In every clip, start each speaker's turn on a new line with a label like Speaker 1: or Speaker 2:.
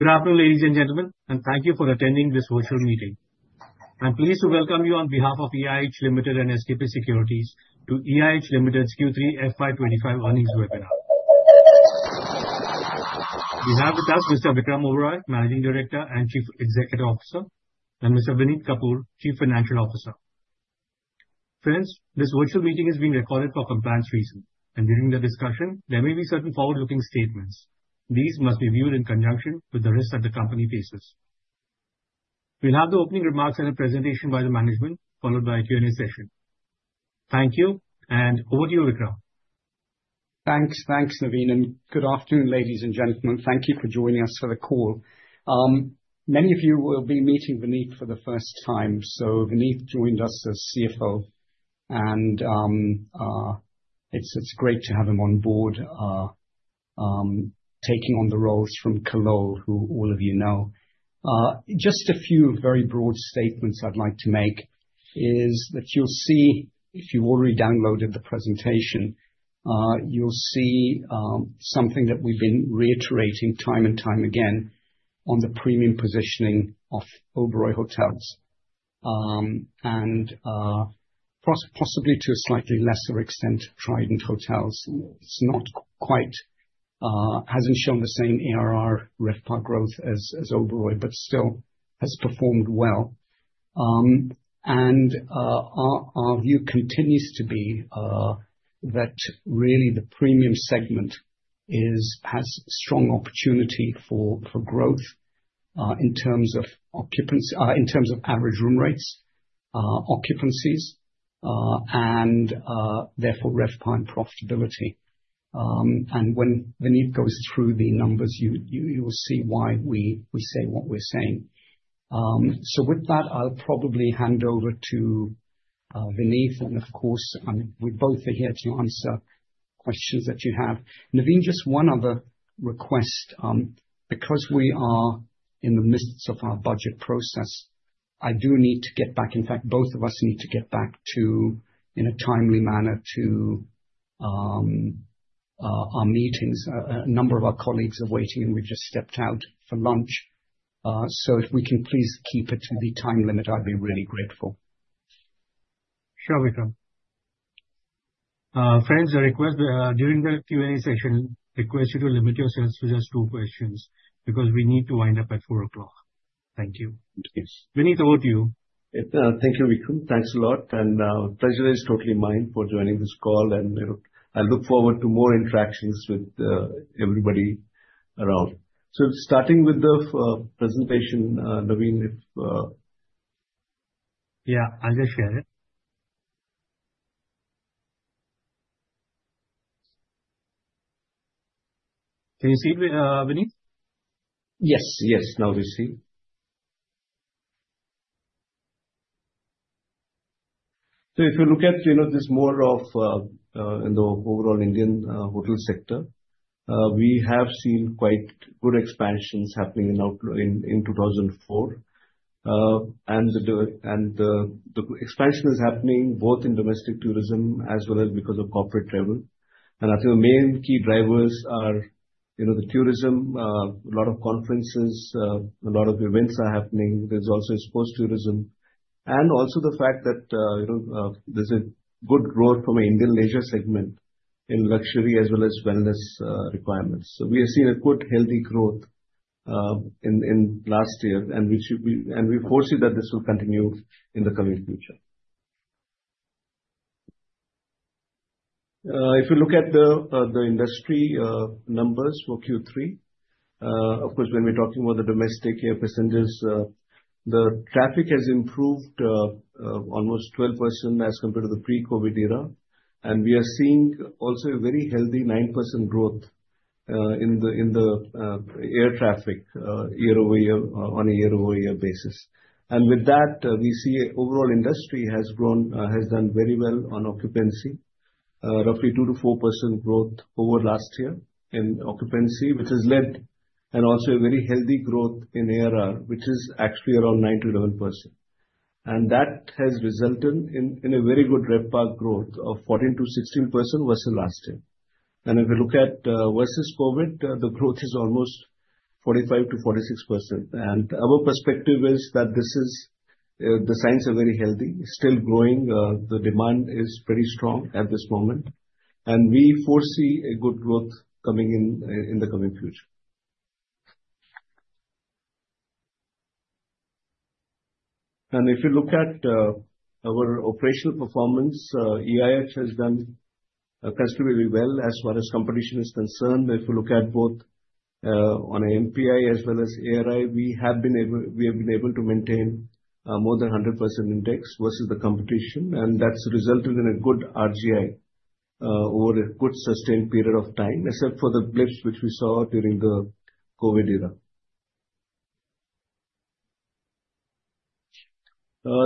Speaker 1: Good afternoon, ladies and gentlemen, and thank you for attending this virtual meeting. I'm pleased to welcome you on behalf of EIH Limited and SKP Securities to EIH Limited's Q3 FY25 earnings webinar. We have with us Mr. Vikram Oberoi, Managing Director and Chief Executive Officer, and Mr. Vineet Kapur, Chief Financial Officer. Friends, this virtual meeting is being recorded for compliance reasons, and during the discussion, there may be certain forward-looking statements. These must be viewed in conjunction with the risks that the company faces. We'll have the opening remarks and a presentation by the management, followed by a Q&A session. Thank you, and over to you, Vikram.
Speaker 2: Thanks, thanks, Naveen, and good afternoon, ladies and gentlemen. Thank you for joining us for the call. Many of you will be meeting Vineet for the first time, so Vineet joined us as CFO, and it's great to have him on board, taking on the roles from Kallol, who all of you know. Just a few very broad statements I'd like to make is that you'll see, if you've already downloaded the presentation, you'll see something that we've been reiterating time and time again on the premium positioning of Oberoi Hotels, and possibly to a slightly lesser extent, Trident Hotels. It's not quite hasn't shown the same ARR RevPAR growth as Oberoi, but still has performed well. Our view continues to be that really the premium segment has strong opportunity for growth in terms of occupancy, in terms of average room rates, occupancies, and therefore RevPAR and profitability. When Vineet goes through the numbers, you will see why we say what we're saying. With that, I'll probably hand over to Vineet, and of course, we both are here to answer questions that you have. Naveen, just one other request, because we are in the midst of our budget process, I do need to get back, in fact, both of us need to get back to, in a timely manner, to our meetings. A number of our colleagues are waiting, and we've just stepped out for lunch. If we can please keep it to the time limit, I'd be really grateful.
Speaker 1: Sure, Vikram. Friends, a request during the Q&A session: request you to limit yourselves to just two questions because we need to wind up at 4:00 P.M. Thank you. Vineet, over to you.
Speaker 3: Thank you, Vikram. Thanks a lot, and pleasure is totally mine for joining this call, and I look forward to more interactions with everybody around. So starting with the presentation, Naveen, if.
Speaker 1: Yeah, I'll just share it. Can you see me, Vineet?
Speaker 3: Yes, yes, now we see. If you look at this more of the overall Indian hotel sector, we have seen quite good expansions happening in 2004, and the expansion is happening both in domestic tourism as well as because of corporate travel, and I think the main key drivers are the tourism, a lot of conferences, a lot of events are happening. There's also inbound tourism, and also the fact that there's a good growth from an Indian leisure segment in luxury as well as wellness requirements. We have seen a good healthy growth in last year, and we foresee that this will continue in the coming future. If you look at the industry numbers for Q3, of course, when we're talking about the domestic air passengers, the traffic has improved almost 12% as compared to the pre-COVID era, and we are seeing also a very healthy 9% growth in the air traffic year over year, on a year over year basis. And with that, we see overall industry has done very well on occupancy, roughly 2%-4% growth over last year in occupancy, which has led and also a very healthy growth in ARR, which is actually around 9%-11%. And that has resulted in a very good RevPAR growth of 14%-16% versus last year. And if you look at versus pre-COVID, the growth is almost 45%-46%. Our perspective is that this is the signs are very healthy, still growing, the demand is pretty strong at this moment, and we foresee a good growth coming in the coming future. If you look at our operational performance, EIH has done considerably well as far as competition is concerned. If you look at both on an MPI as well as ARI, we have been able to maintain more than 100% index versus the competition, and that's resulted in a good RGI over a good sustained period of time, except for the blips which we saw during the COVID era.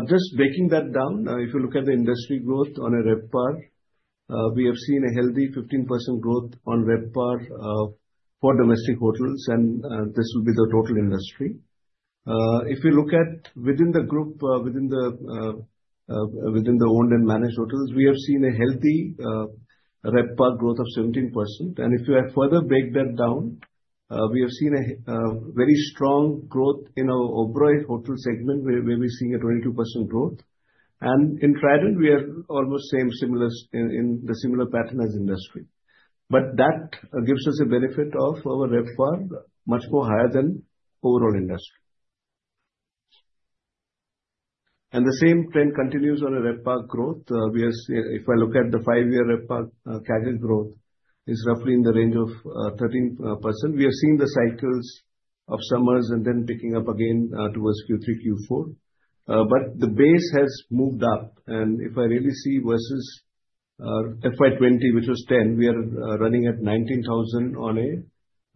Speaker 3: Just breaking that down, if you look at the industry growth on a RevPAR, we have seen a healthy 15% growth on RevPAR for domestic hotels, and this will be the total industry. If you look at within the group, within the owned and managed hotels, we have seen a healthy RevPAR growth of 17%. And if you have further broken that down, we have seen a very strong growth in our Oberoi hotel segment, where we're seeing a 22% growth. And in Trident, we are almost same similar in the similar pattern as industry. But that gives us a benefit of our RevPAR much more higher than overall industry. And the same trend continues on a RevPAR growth. If I look at the five-year RevPAR CAGR growth, it's roughly in the range of 13%. We have seen the cycles of summers and then picking up again towards Q3, Q4. But the base has moved up, and if I really see versus FY20, which was 10, we are running at 19,000 on a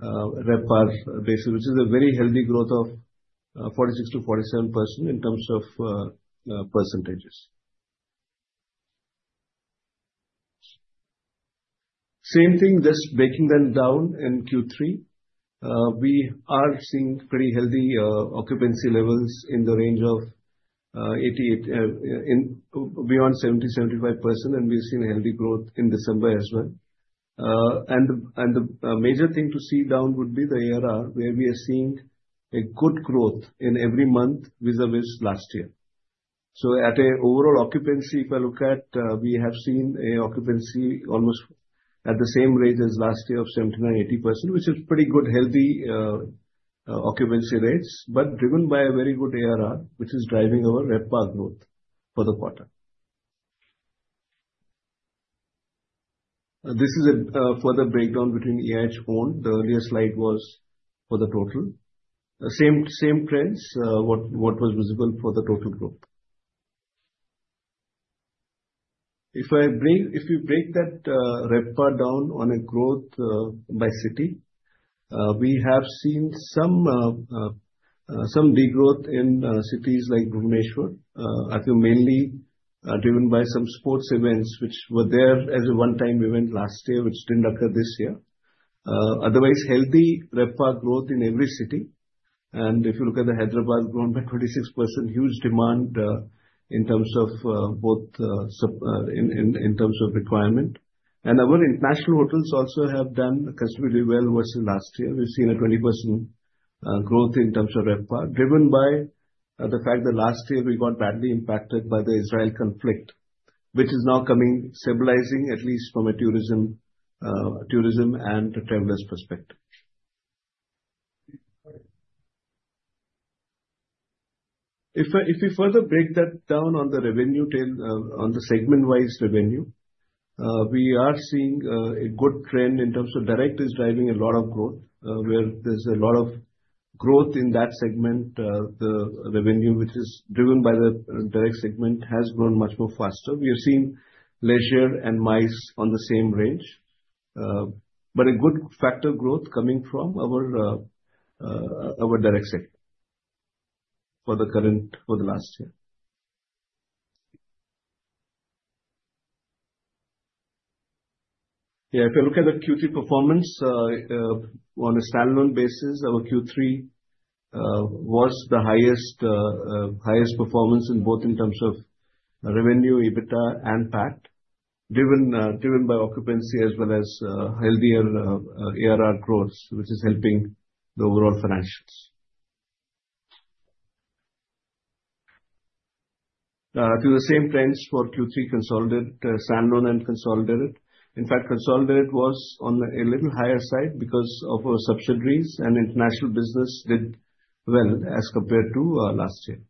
Speaker 3: RevPAR basis, which is a very healthy growth of 46%-47% in terms of percentages. Same thing, just breaking them down in Q3, we are seeing pretty healthy occupancy levels in the range of beyond 70% to 75%, and we've seen a healthy growth in December as well. And the major thing to stand out would be the ARR, where we are seeing a good growth in every month vis-à-vis last year. So at an overall occupancy, if I look at, we have seen an occupancy almost at the same rate as last year of 79%-80%, which is pretty good healthy occupancy rates, but driven by a very good ARR, which is driving our RevPAR growth for the quarter. This is a further breakdown between EIH owned. The earlier slide was for the total. Same trends, what was visible for the total growth. If you break that RevPAR down on a growth by city, we have seen some regrowth in cities like Bhubaneswar. I think mainly driven by some sports events, which were there as a one-time event last year, which didn't occur this year. Otherwise, healthy RevPAR growth in every city. If you look at the Hyderabad, grown by 26%, huge demand in terms of both in terms of requirement. Our international hotels also have done considerably well versus last year. We've seen a 20% growth in terms of RevPAR, driven by the fact that last year we got badly impacted by the Israel conflict, which is now coming stabilizing, at least from a tourism and travelers' perspective. If we further break that down on the revenue tail, on the segment-wise revenue, we are seeing a good trend in terms of direct is driving a lot of growth, where there's a lot of growth in that segment. The revenue, which is driven by the direct segment, has grown much more faster. We have seen leisure and MICE on the same range, but a good factor growth coming from our direct sector for the current for the last year. Yeah, if I look at the Q3 performance, on a standalone basis, our Q3 was the highest performance in both terms of revenue, EBITDA, and PAT, driven by occupancy as well as healthier ARR growth, which is helping the overall financials. The same trends for Q3 consolidated, standalone and consolidated. In fact, consolidated was on a little higher side because of our subsidiaries, and international business did well as compared to last year.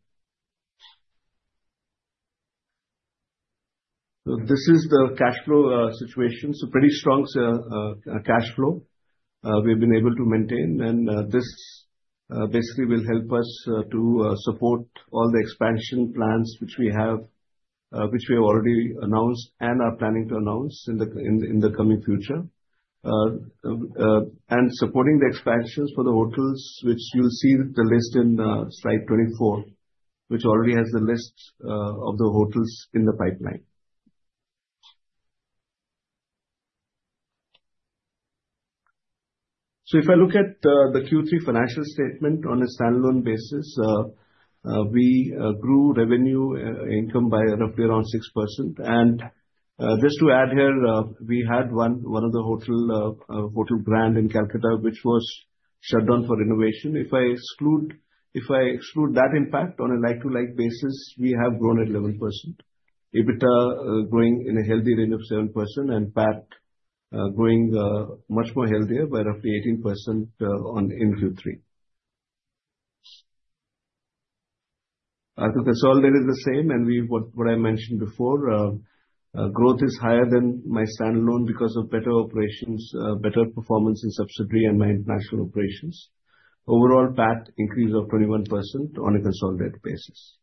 Speaker 3: So this is the cash flow situation, so pretty strong cash flow we've been able to maintain, and this basically will help us to support all the expansion plans which we have, which we have already announced and are planning to announce in the coming future, and supporting the expansions for the hotels, which you'll see the list in slide 24, which already has the list of the hotels in the pipeline. So if I look at the Q3 financial statement on a standalone basis, we grew revenue income by roughly around 6%. And just to add here, we had one of the hotel brand in Kolkata, which was shut down for renovation. If I exclude that impact on a like-for-like basis, we have grown at 11%, EBITDA growing in a healthy range of 7%, and PAT growing much more healthier by roughly 18% in Q3. I think consolidated is the same, and what I mentioned before, growth is higher than my standalone because of better operations, better performance in subsidiary, and my international operations. Overall, PAT increase of 21% on a consolidated basis.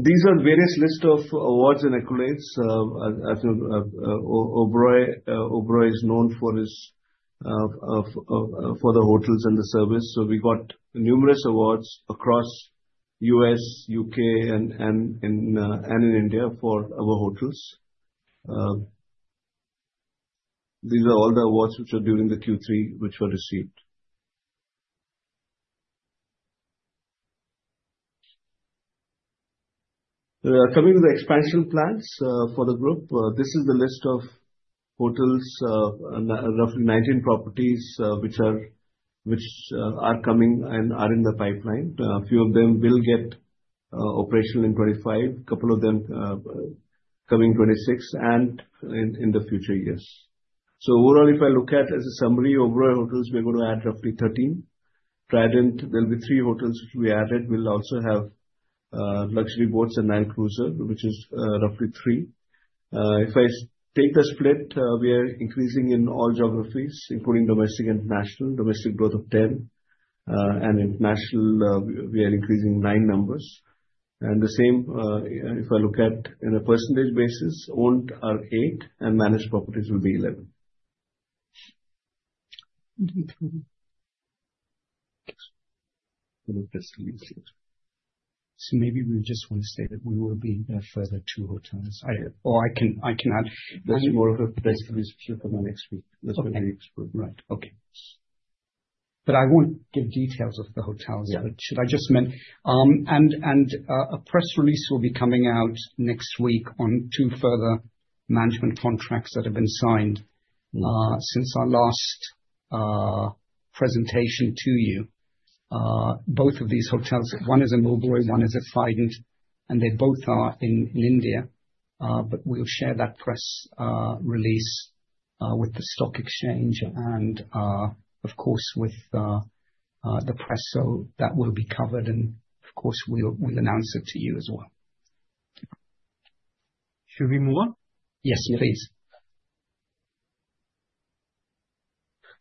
Speaker 3: These are various lists of awards and accolades. Oberoi is known for the hotels and the service, so we got numerous awards across U.S., U.K., and in India for our hotels. These are all the awards which are during the Q3, which were received. Coming to the expansion plans for the group, this is the list of hotels, roughly 19 properties which are coming and are in the pipeline. A few of them will get operational in 2025, a couple of them coming 2026, and in the future, yes. Overall, if I look at as a summary, Oberoi hotels we're going to add roughly 13. Trident, there'll be three hotels which we added. We'll also have luxury boats and nine cruisers, which is roughly three. If I take the split, we are increasing in all geographies, including domestic and international, domestic growth of 10, and international we are increasing nine numbers. And the same, if I look at in a percentage basis, owned are eight, and managed properties will be 11.
Speaker 2: Maybe we just want to say that we will be further two hotels. Oh, I can add more of a press release for the next week. Right. Okay. But I won't give details of the hotels. Should I just mention? And a press release will be coming out next week on two further management contracts that have been signed since our last presentation to you. Both of these hotels, one is in Oberoi, one is at Trident, and they both are in India, but we'll share that press release with the stock exchange and, of course, with the press, so that will be covered, and of course, we'll announce it to you as well.
Speaker 1: Should we move on?
Speaker 2: Yes,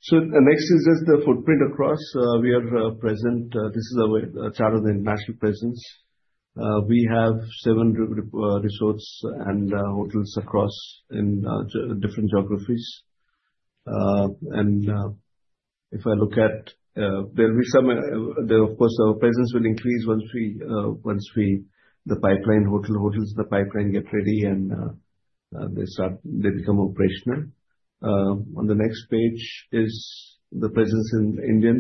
Speaker 2: please. The next is just the footprint across. We are present. This is a chart of the international presence. We have seven resorts and hotels across in different geographies. And if I look at, there'll be some, of course, our presence will increase once the pipeline hotels get ready and they become operational. On the next page is the presence in India,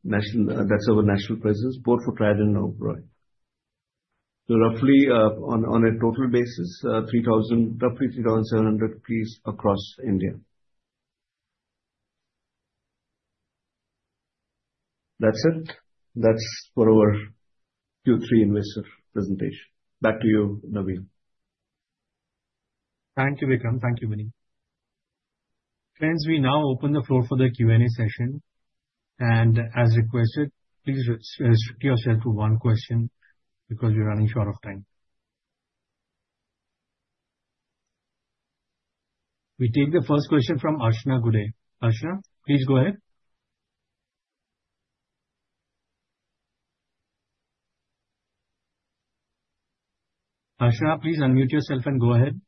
Speaker 2: that's our national presence, both for Trident and Oberoi. So roughly on a total basis, roughly 3,700 across India. That's it. That's for our Q3 investor presentation. Back to you, Naveen.
Speaker 1: Thank you, Vikram. Thank you, Vinny. Friends, we now open the floor for the Q&A session. And as requested, please restrict yourself to one question because we're running short of time. We take the first question from Archana Gude. Archana, please go ahead. Archana, please unmute yourself and go ahead.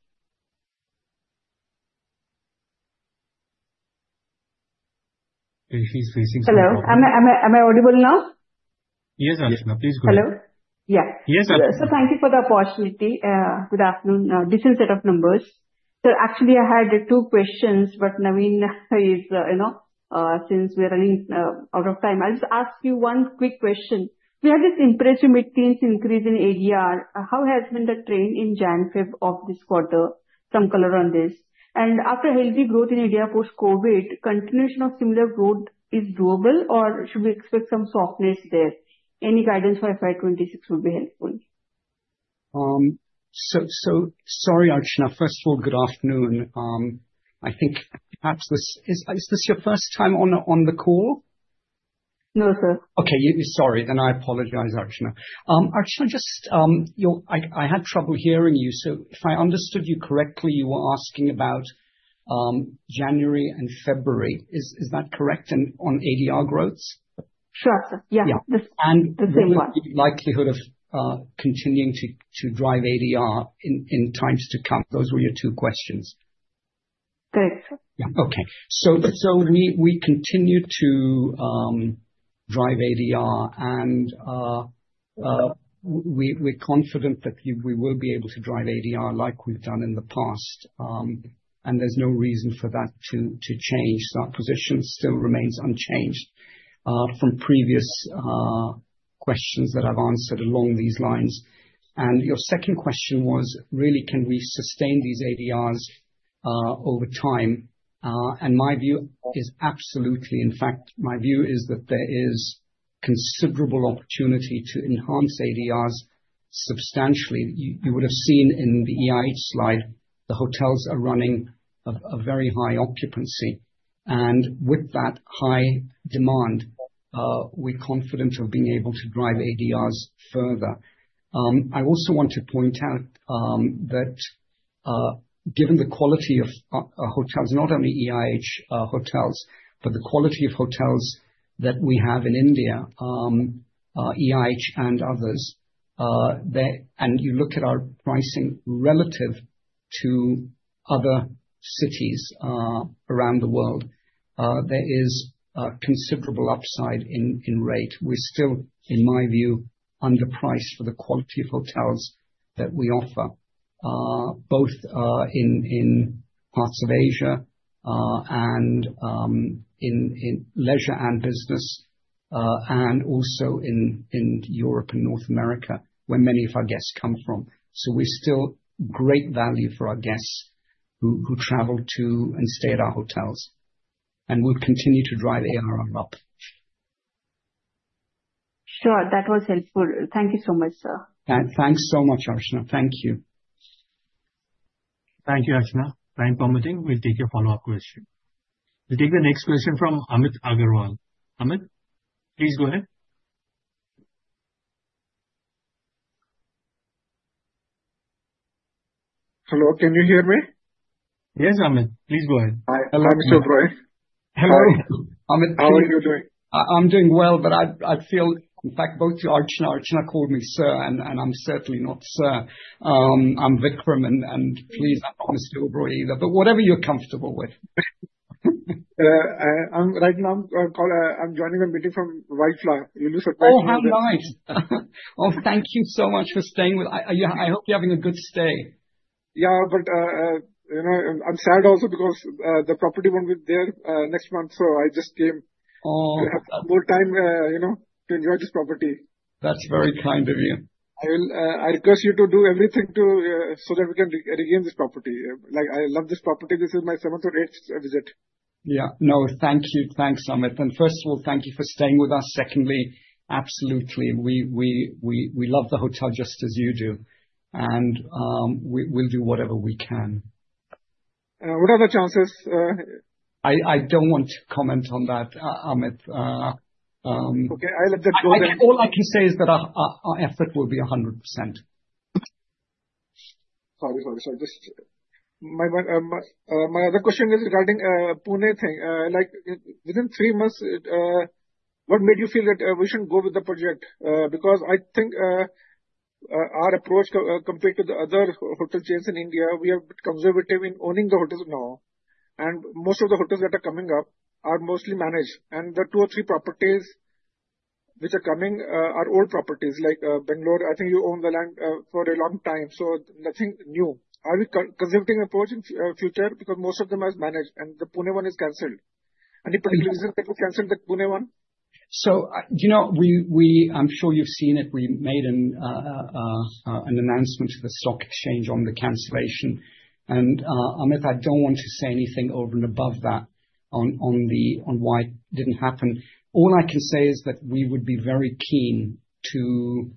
Speaker 1: She's facing someone.
Speaker 4: Hello. Am I audible now?
Speaker 1: Yes, Archana, please go ahead.
Speaker 4: Hello? Yeah.
Speaker 1: Yes, Arshana.
Speaker 4: Thank you for the opportunity. Good afternoon. Decent set of numbers. Actually, I had two questions, but Naveen is, you know, since we are running out of time, I'll just ask you one quick question. We have this impressive mid-teens increase in ADR. How has been the trend in Jan-Feb of this quarter? Some color on this. And after healthy growth in India post-COVID, continuation of similar growth is doable, or should we expect some softness there? Any guidance for FY26 would be helpful.
Speaker 3: So sorry, Archana. First of all, good afternoon. I think perhaps this is your first time on the call?
Speaker 4: No, sir.
Speaker 3: Okay. Sorry. And I apologize, Archana. Archana, just I had trouble hearing you. So if I understood you correctly, you were asking about January and February. Is that correct? And on ADR growth?
Speaker 4: Sure, sir. Yeah. The same one.
Speaker 3: The likelihood of continuing to drive ADR in times to come. Those were your two questions.
Speaker 4: Correct.
Speaker 3: Yeah. Okay. So we continue to drive ADR, and we're confident that we will be able to drive ADR like we've done in the past, and there's no reason for that to change. So our position still remains unchanged from previous questions that I've answered along these lines. And your second question was, really, can we sustain these ADRs over time? And my view is absolutely. In fact, my view is that there is considerable opportunity to enhance ADRs substantially. You would have seen in the EIH slide, the hotels are running a very high occupancy. And with that high demand, we're confident of being able to drive ADRs further. I also want to point out that given the quality of hotels, not only EIH hotels, but the quality of hotels that we have in India, EIH and others, and you look at our pricing relative to other cities around the world, there is considerable upside in rate. We're still, in my view, underpriced for the quality of hotels that we offer, both in parts of Asia and in leisure and business, and also in Europe and North America, where many of our guests come from. So we still have great value for our guests who travel to and stay at our hotels. And we'll continue to drive ARR up.
Speaker 4: Sure. That was helpful. Thank you so much, sir.
Speaker 3: Thanks so much, Archana. Thank you.
Speaker 1: Thank you, Archana. Thank you, and Nidhi. We'll take your follow-up question. We'll take the next question from Amit Agarwal. Amit, please go ahead.
Speaker 5: Hello. Can you hear me?
Speaker 1: Yes, Amit. Please go ahead.
Speaker 5: Hello, Mr. Oberoi. Hello, Amit. How are you doing?
Speaker 2: I'm doing well, but I feel, in fact, both you Archana, Archana called me sir, and I'm certainly not sir. I'm Vikram, and please, I'm not Mr. Oberoi either, but whatever you're comfortable with.
Speaker 5: Right now, I'm joining a meeting from Vaishno Devi. Your loss, advisor.
Speaker 2: Oh, thank you so much for staying with us. I hope you're having a good stay.
Speaker 5: Yeah, but I'm sad also because the property won't be there next month, so I just came full time to enjoy this property.
Speaker 2: That's very kind of you.
Speaker 5: I request you to do everything so that we can regain this property. I love this property. This is my seventh or eighth visit.
Speaker 2: Yeah. No, thank you. Thanks, Amit. And first of all, thank you for staying with us. Secondly, absolutely. We love the hotel just as you do, and we'll do whatever we can.
Speaker 5: What are the chances?
Speaker 2: I don't want to comment on that, Amit.
Speaker 5: Okay. I'll let them go there.
Speaker 2: All I can say is that our effort will be 100%.
Speaker 5: Sorry, sorry, sorry. Just my other question is regarding Pune thing. Within three months, what made you feel that we shouldn't go with the project? Because I think our approach compared to the other hotel chains in India, we are a bit conservative in owning the hotels now. And most of the hotels that are coming up are mostly managed. And the two or three properties which are coming are old properties, like Bangalore. I think you own the land for a long time, so nothing new. Are we conservative in approaching future? Because most of them are managed, and the Pune one is canceled. Any particular reason that you canceled the Pune one?
Speaker 2: So I'm sure you've seen it. We made an announcement to the stock exchange on the cancellation. And Amit, I don't want to say anything over and above that on why it didn't happen. All I can say is that we would be very keen to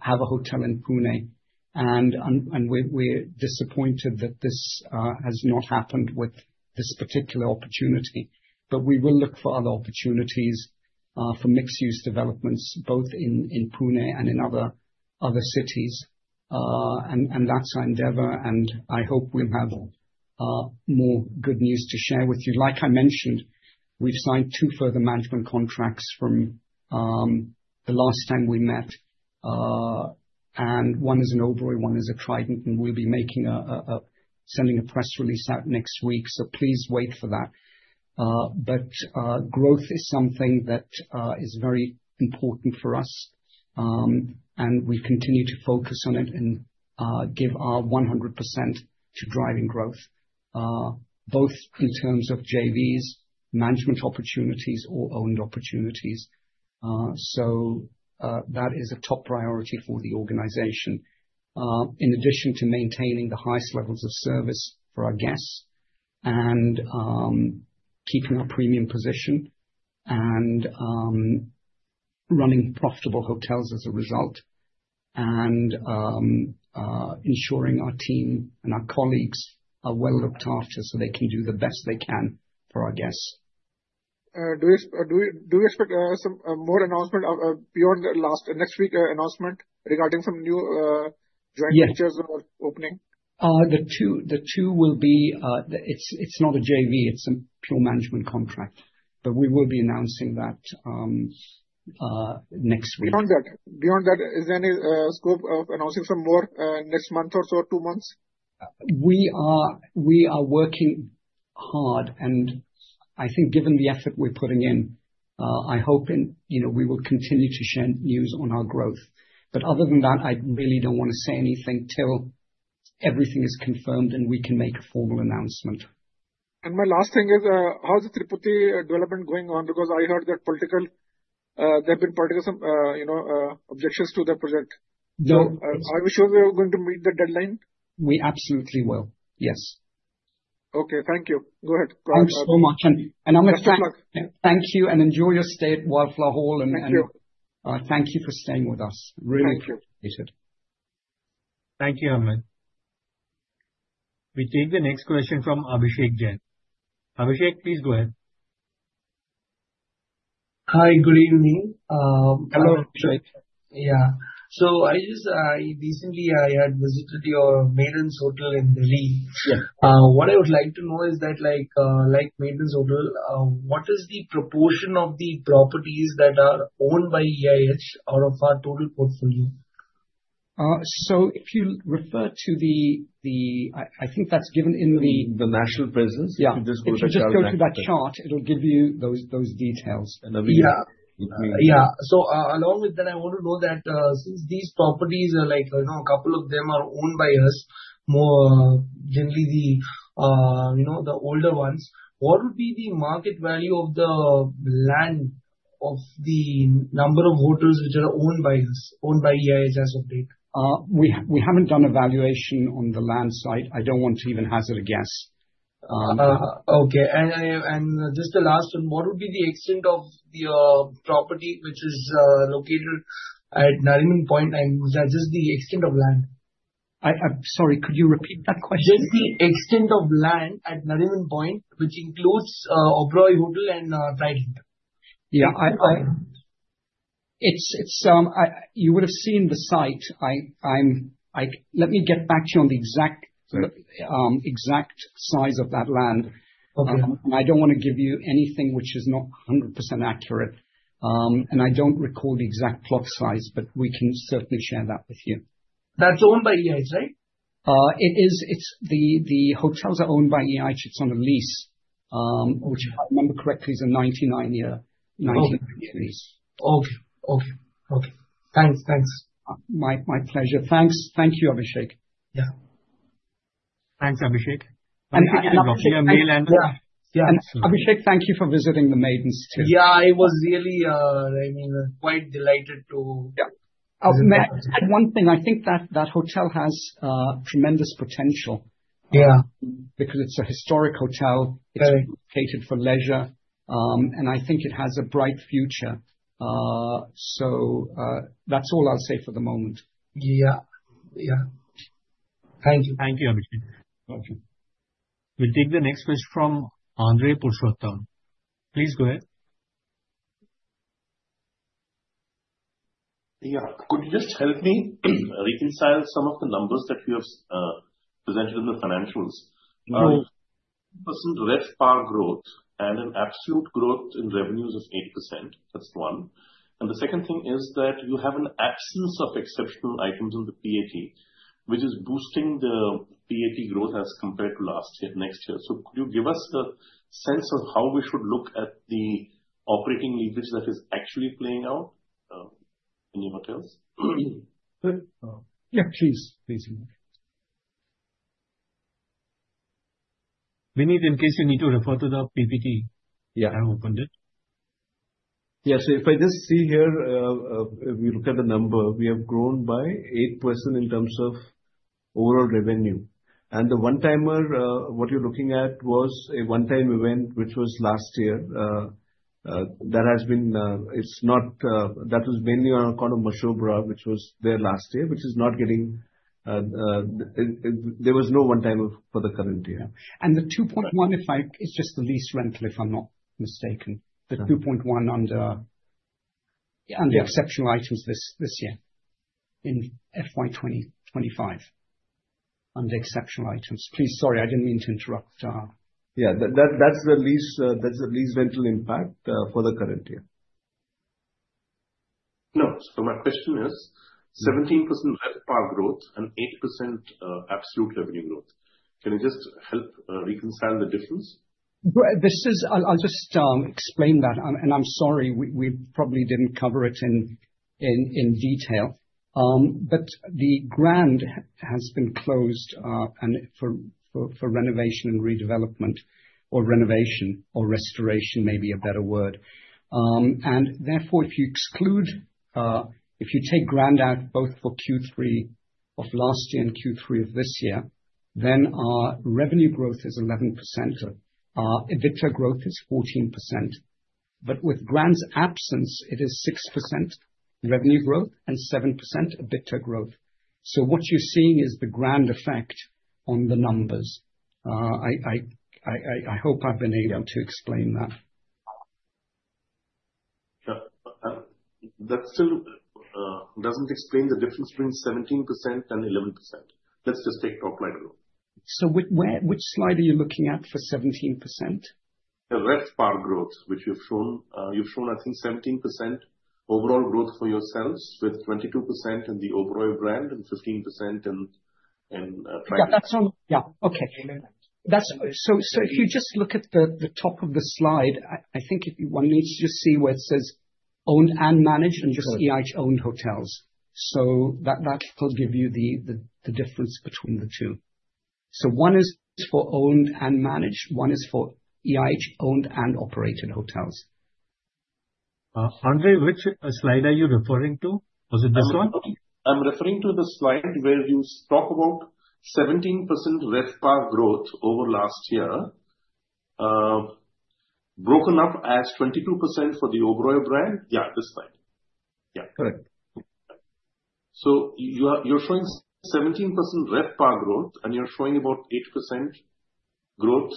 Speaker 2: have a hotel in Pune, and we're disappointed that this has not happened with this particular opportunity. But we will look for other opportunities for mixed-use developments, both in Pune and in other cities. And that's our endeavor, and I hope we'll have more good news to share with you. Like I mentioned, we've signed two further management contracts from the last time we met. And one is in Oberoi, one is at Trident, and we'll be sending a press release out next week. So please wait for that. But growth is something that is very important for us, and we continue to focus on it and give our 100% to driving growth, both in terms of JVs, management opportunities, or owned opportunities. So that is a top priority for the organization, in addition to maintaining the highest levels of service for our guests and keeping our premium position and running profitable hotels as a result, and ensuring our team and our colleagues are well looked after so they can do the best they can for our guests.
Speaker 5: Do you expect some more announcement beyond the last next week announcement regarding some new joint ventures or opening?
Speaker 2: The two will be. It's not a JV. It's a pure management contract. But we will be announcing that next week.
Speaker 5: Beyond that, is there any scope of announcing some more next month or so, two months?
Speaker 2: We are working hard. And I think given the effort we're putting in, I hope we will continue to share news on our growth. But other than that, I really don't want to say anything till everything is confirmed and we can make a formal announcement.
Speaker 5: My last thing is, how's the Tirupati development going on? Because I heard that there have been political objections to the project. Are we sure we're going to meet the deadline?
Speaker 2: We absolutely will. Yes.
Speaker 5: Okay. Thank you. Go ahead.
Speaker 2: Thanks so much. And Amit, thank you. And enjoy your stay at Wildflower Hall.
Speaker 5: Thank you.
Speaker 3: Thank you for staying with us. Really appreciate it.
Speaker 1: Thank you, Amit. We take the next question from Abhishek Jain. Abhishek, please go ahead. Hi. Good evening. Hello, Abhishek. Yeah, so I recently had visited your Maidens Hotel in Delhi. What I would like to know is that, like Maidens Hotel, what is the proportion of the properties that are owned by EIH out of our total portfolio?
Speaker 2: So, if you refer to the, I think that's given in the. The national presence? Yeah. If you just go to that chart, it'll give you those details. Yeah. So along with that, I want to know that since these properties, a couple of them are owned by us, more generally the older ones, what would be the market value of the land of the number of hotels which are owned by us, owned by EIH as of date? We haven't done evaluation on the land, so I don't want to even hazard a guess. Okay. And just the last one, what would be the extent of the property which is located at Nariman Point, and is that just the extent of land? Sorry, could you repeat that question? Just the extent of land at Nariman Point, which includes Oberoi Hotel and Trident? Yeah. You would have seen the site. Let me get back to you on the exact size of that land. And I don't want to give you anything which is not 100% accurate. And I don't recall the exact plot size, but we can certainly share that with you. That's owned by EIH, right? It is. The hotels are owned by EIH. It's on a lease, which, if I remember correctly, is a 99-year. Okay. Thanks. My pleasure. Thanks. Thank you, Abhishek.
Speaker 1: Yeah. Thanks, Abhishek. Thank you. You have mail and.
Speaker 2: Yeah. Abhishek, thank you for visiting the management team. Yeah. I was really quite delighted to. Yeah. I'll add one thing. I think that hotel has tremendous potential because it's a historic hotel. It's located for leisure, and I think it has a bright future, so that's all I'll say for the moment. Yeah. Yeah. Thank you.
Speaker 1: Thank you, Abhishek. We take the next question from Sangeeta Purushottam. Please go ahead. Yeah. Could you just help me reconcile some of the numbers that you have presented in the financials? 8% RevPAR growth and an absolute growth in revenues of 8%. That's one. And the second thing is that you have an absence of exceptional items in the PAT, which is boosting the PAT growth as compared to next year. So could you give us a sense of how we should look at the operating leverage that is actually playing out in your hotels?
Speaker 3: Yeah, please. Please.
Speaker 1: Vineet, in case you need to refer to the PPT,
Speaker 3: I've opened it. Yeah. So if I just see here, if we look at the number, we have grown by 8% in terms of overall revenue. The one-timer what you're looking at was a one-time event which was last year. That was mainly on account of Mashobra which was there last year. There was no one-timer for the current year.
Speaker 2: And the 2.1, it's just the lease rental, if I'm not mistaken.
Speaker 3: The 2.1 under.
Speaker 2: exceptional items this year in FY 2025 under exceptional items. Please, sorry, I didn't mean to interrupt. Yeah. That's the lease rental impact for the current year. No. So my question is, 17% RevPAR growth and 8% absolute revenue growth. Can you just help reconcile the difference? I'll just explain that, and I'm sorry, we probably didn't cover it in detail, but the Grand has been closed for renovation and redevelopment or renovation or restoration, maybe a better word. And therefore, if you take Grand out both for Q3 of last year and Q3 of this year, then our revenue growth is 11%. EBITDA growth is 14%, but with Grand's absence, it is 6% revenue growth and 7% EBITDA growth, so what you're seeing is the Grand effect on the numbers. I hope I've been able to explain that. Yeah. That still doesn't explain the difference between 17% and 11%. Let's just take top line growth. So which slide are you looking at for 17%? The RevPAR growth, which you've shown. You've shown, I think, 17% overall growth for yourselves with 22% in the Oberoi brand and 15% in Trident. Yeah. Yeah. Okay. So if you just look at the top of the slide, I think one needs to just see where it says owned and managed and just EIH-owned hotels. So that will give you the difference between the two. So one is for owned and managed. One is for EIH-owned and operated hotels.
Speaker 1: Andre, which slide are you referring to? Was it this one? I'm referring to the slide where you talk about 17% RevPAR growth over last year, broken up as 22% for the Oberoi brand. Yeah, this slide. Yeah.
Speaker 2: Correct. So you're showing 17% RevPAR growth, and you're showing about 8% growth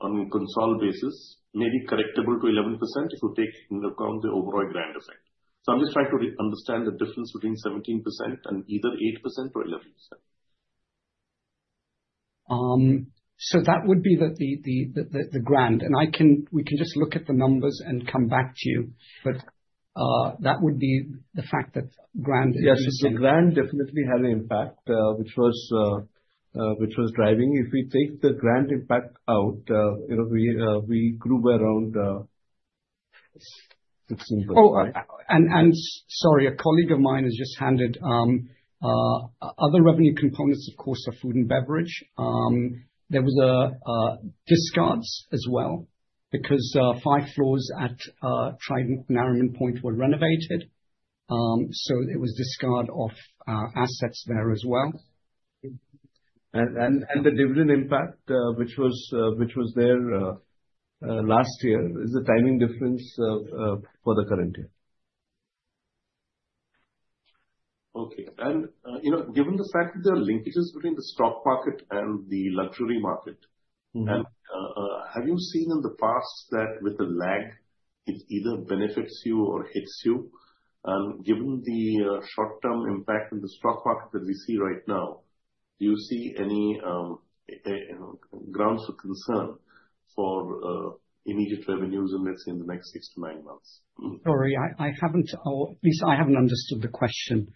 Speaker 2: on consolidated basis, maybe correctable to 11% if you take into account the Oberoi Grand effect. So I'm just trying to understand the difference between 17% and either 8% or 11%. So that would be the Grand. And we can just look at the numbers and come back to you. But that would be the fact that Grand is the same. Yes. The Grand definitely had an impact, which was driving. If we take the Grand impact out, we grew by around 16%. Oh, and sorry, a colleague of mine has just handed other revenue components, of course, of food and beverage. There were discards as well because five floors at Trident and Nariman Point were renovated. So there was a discard of assets there as well. The dividend impact, which was there last year, is the timing difference for the current year? Okay. And given the fact that there are linkages between the stock market and the luxury market, have you seen in the past that with the lag, it either benefits you or hits you? And given the short-term impact in the stock market that we see right now, do you see any grounds for concern for immediate revenues in, let's say, the next six to nine months? Sorry, I haven't understood the question.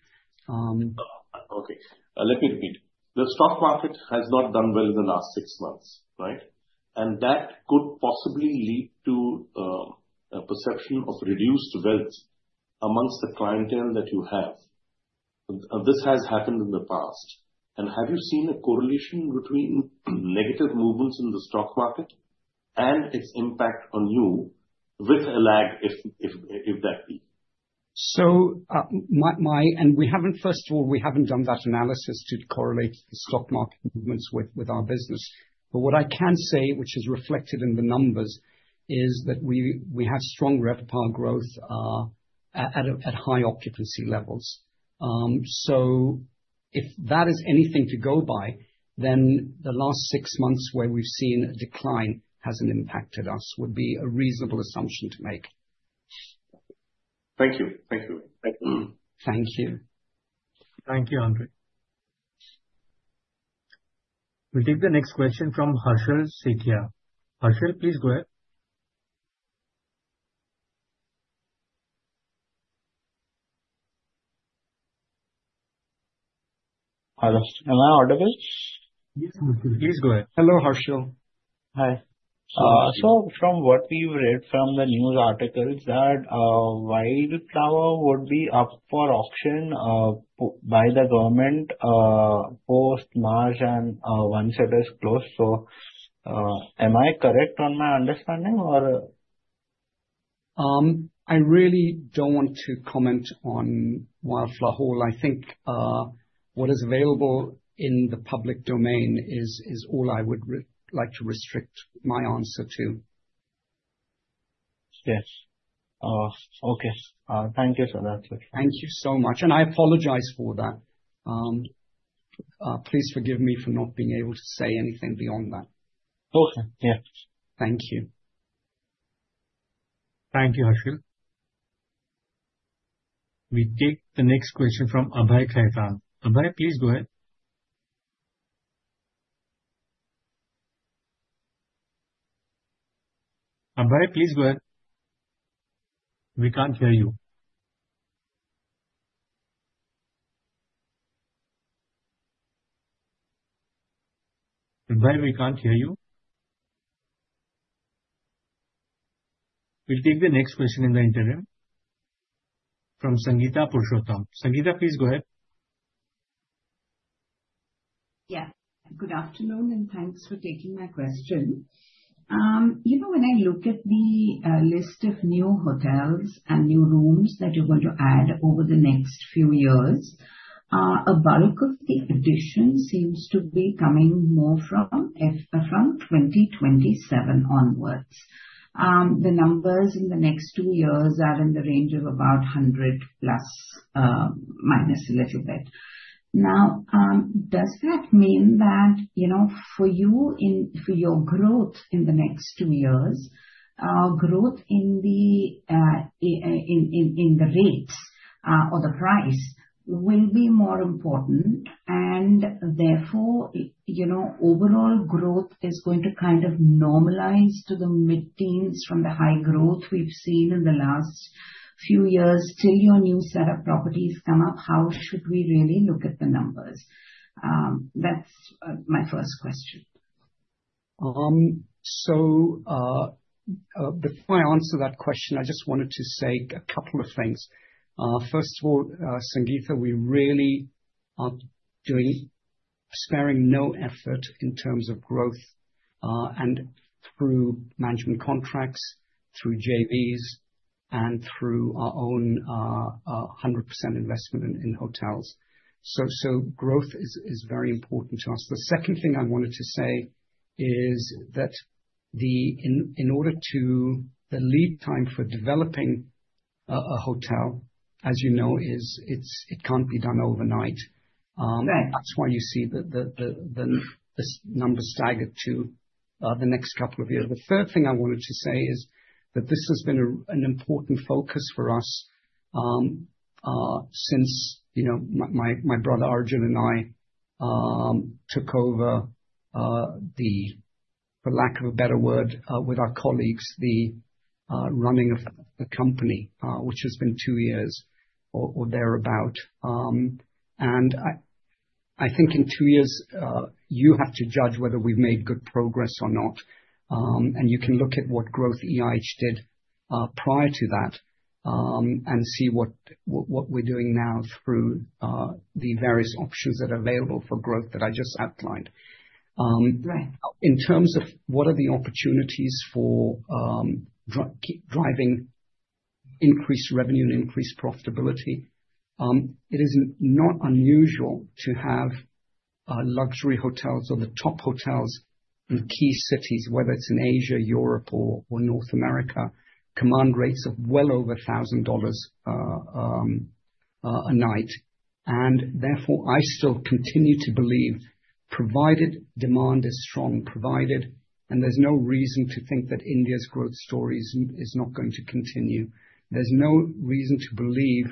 Speaker 2: Okay. Let me repeat. The stock market has not done well in the last six months, right? And that could possibly lead to a perception of reduced wealth among the clientele that you have. This has happened in the past. And have you seen a correlation between negative movements in the stock market and its impact on you with a lag, if that be? And first of all, we haven't done that analysis to correlate the stock market movements with our business. But what I can say, which is reflected in the numbers, is that we have strong RevPAR growth at high occupancy levels. So if that is anything to go by, then the last six months where we've seen a decline hasn't impacted us would be a reasonable assumption to make. Thank you. Thank you. Thank you.
Speaker 1: Thank you, Andrew. We'll take the next question from Harshil Sethia. Harshil, please go ahead. Hello.Hello? Please go ahead. Hello, Herschel. Hi. So from what we've read from the news articles, that Wildflower Hall would be up for auction by the government post-March and once it is closed. So am I correct on my understanding, or?
Speaker 2: I really don't want to comment on Wildflower Hall. I think what is available in the public domain is all I would like to restrict my answer to. Yes. Okay. Thank you for that. Thank you so much. And I apologize for that. Please forgive me for not being able to say anything beyond that. Okay. Yeah. Thank you.
Speaker 1: Thank you, Harshil. We take the next question from Abhay Khaitan. Abhay, please go ahead. Abhay, please go ahead. We can't hear you. Abhay, we can't hear you. We'll take the next question in the interim from Sangeeta Purushottam. Sangeeta, please go ahead. Yeah. Good afternoon, and thanks for taking my question. When I look at the list of new hotels and new rooms that you're going to add over the next few years, a bulk of the addition seems to be coming more from 2027 onwards. The numbers in the next two years are in the range of about 100 plus, minus a little bit. Now, does that mean that for you, for your growth in the next two years, growth in the rates or the price will be more important? And therefore, overall growth is going to kind of normalize to the mid-teens from the high growth we've seen in the last few years. Till your new set of properties come up, how should we really look at the numbers? That's my first question.
Speaker 2: So before I answer that question, I just wanted to say a couple of things. First of all, Sangeeta, we really are sparing no effort in terms of growth and through management contracts, through JVs, and through our own 100% investment in hotels. So growth is very important to us. The second thing I wanted to say is that in order the lead time for developing a hotel, as you know, it can't be done overnight. That's why you see the numbers staggered to the next couple of years. The third thing I wanted to say is that this has been an important focus for us since my brother Arjun and I took over, for lack of a better word, with our colleagues, the running of the company, which has been two years or thereabout. I think in two years, you have to judge whether we've made good progress or not. You can look at what growth EIH did prior to that and see what we're doing now through the various options that are available for growth that I just outlined. In terms of what are the opportunities for driving increased revenue and increased profitability, it is not unusual to have luxury hotels or the top hotels in key cities, whether it's in Asia, Europe, or North America, command rates of well over $1,000 a night. Therefore, I still continue to believe provided demand is strong, and there's no reason to think that India's growth story is not going to continue. There's no reason to believe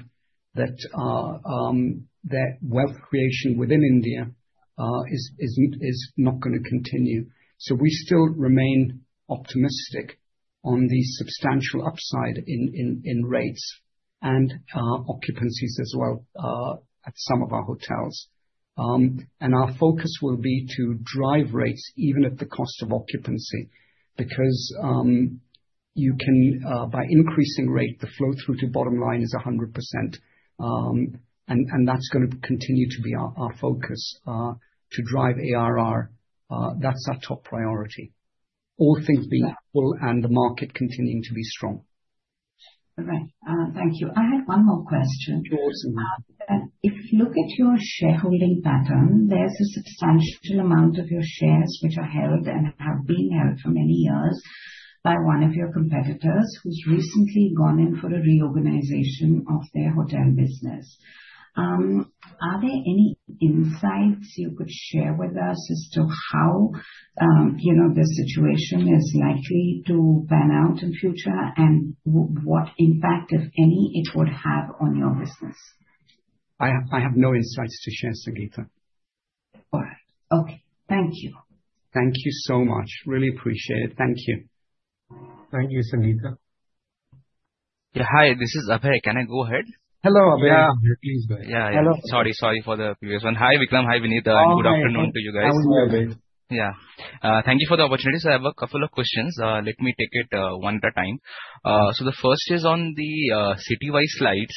Speaker 2: that wealth creation within India is not going to continue. So we still remain optimistic on the substantial upside in rates and occupancies as well at some of our hotels. And our focus will be to drive rates even at the cost of occupancy because by increasing rate, the flow through to bottom line is 100%. And that's going to continue to be our focus to drive ARR. That's our top priority, all things being equal and the market continuing to be strong. All right. Thank you. I had one more question. If you look at your shareholding pattern, there's a substantial amount of your shares which are held and have been held for many years by one of your competitors who's recently gone in for a reorganization of their hotel business. Are there any insights you could share with us as to how this situation is likely to pan out in future and what impact, if any, it would have on your business? I have no insights to share, Sangeeta. All right. Okay. Thank you.
Speaker 3: Thank you so much. Really appreciate it. Thank you.
Speaker 1: Thank you, Sangeeta. Yeah. Hi, this is Abhay. Can I go ahead? Hello, Abhay. Yeah. Please go ahead. Yeah. Sorry. Sorry for the previous one. Hi, Vikram. Hi, Vineet. And good afternoon to you guys.
Speaker 2: How are you, Abhay? Yeah. Thank you for the opportunity. So I have a couple of questions. Let me take it one at a time. So the first is on the city-wide slides.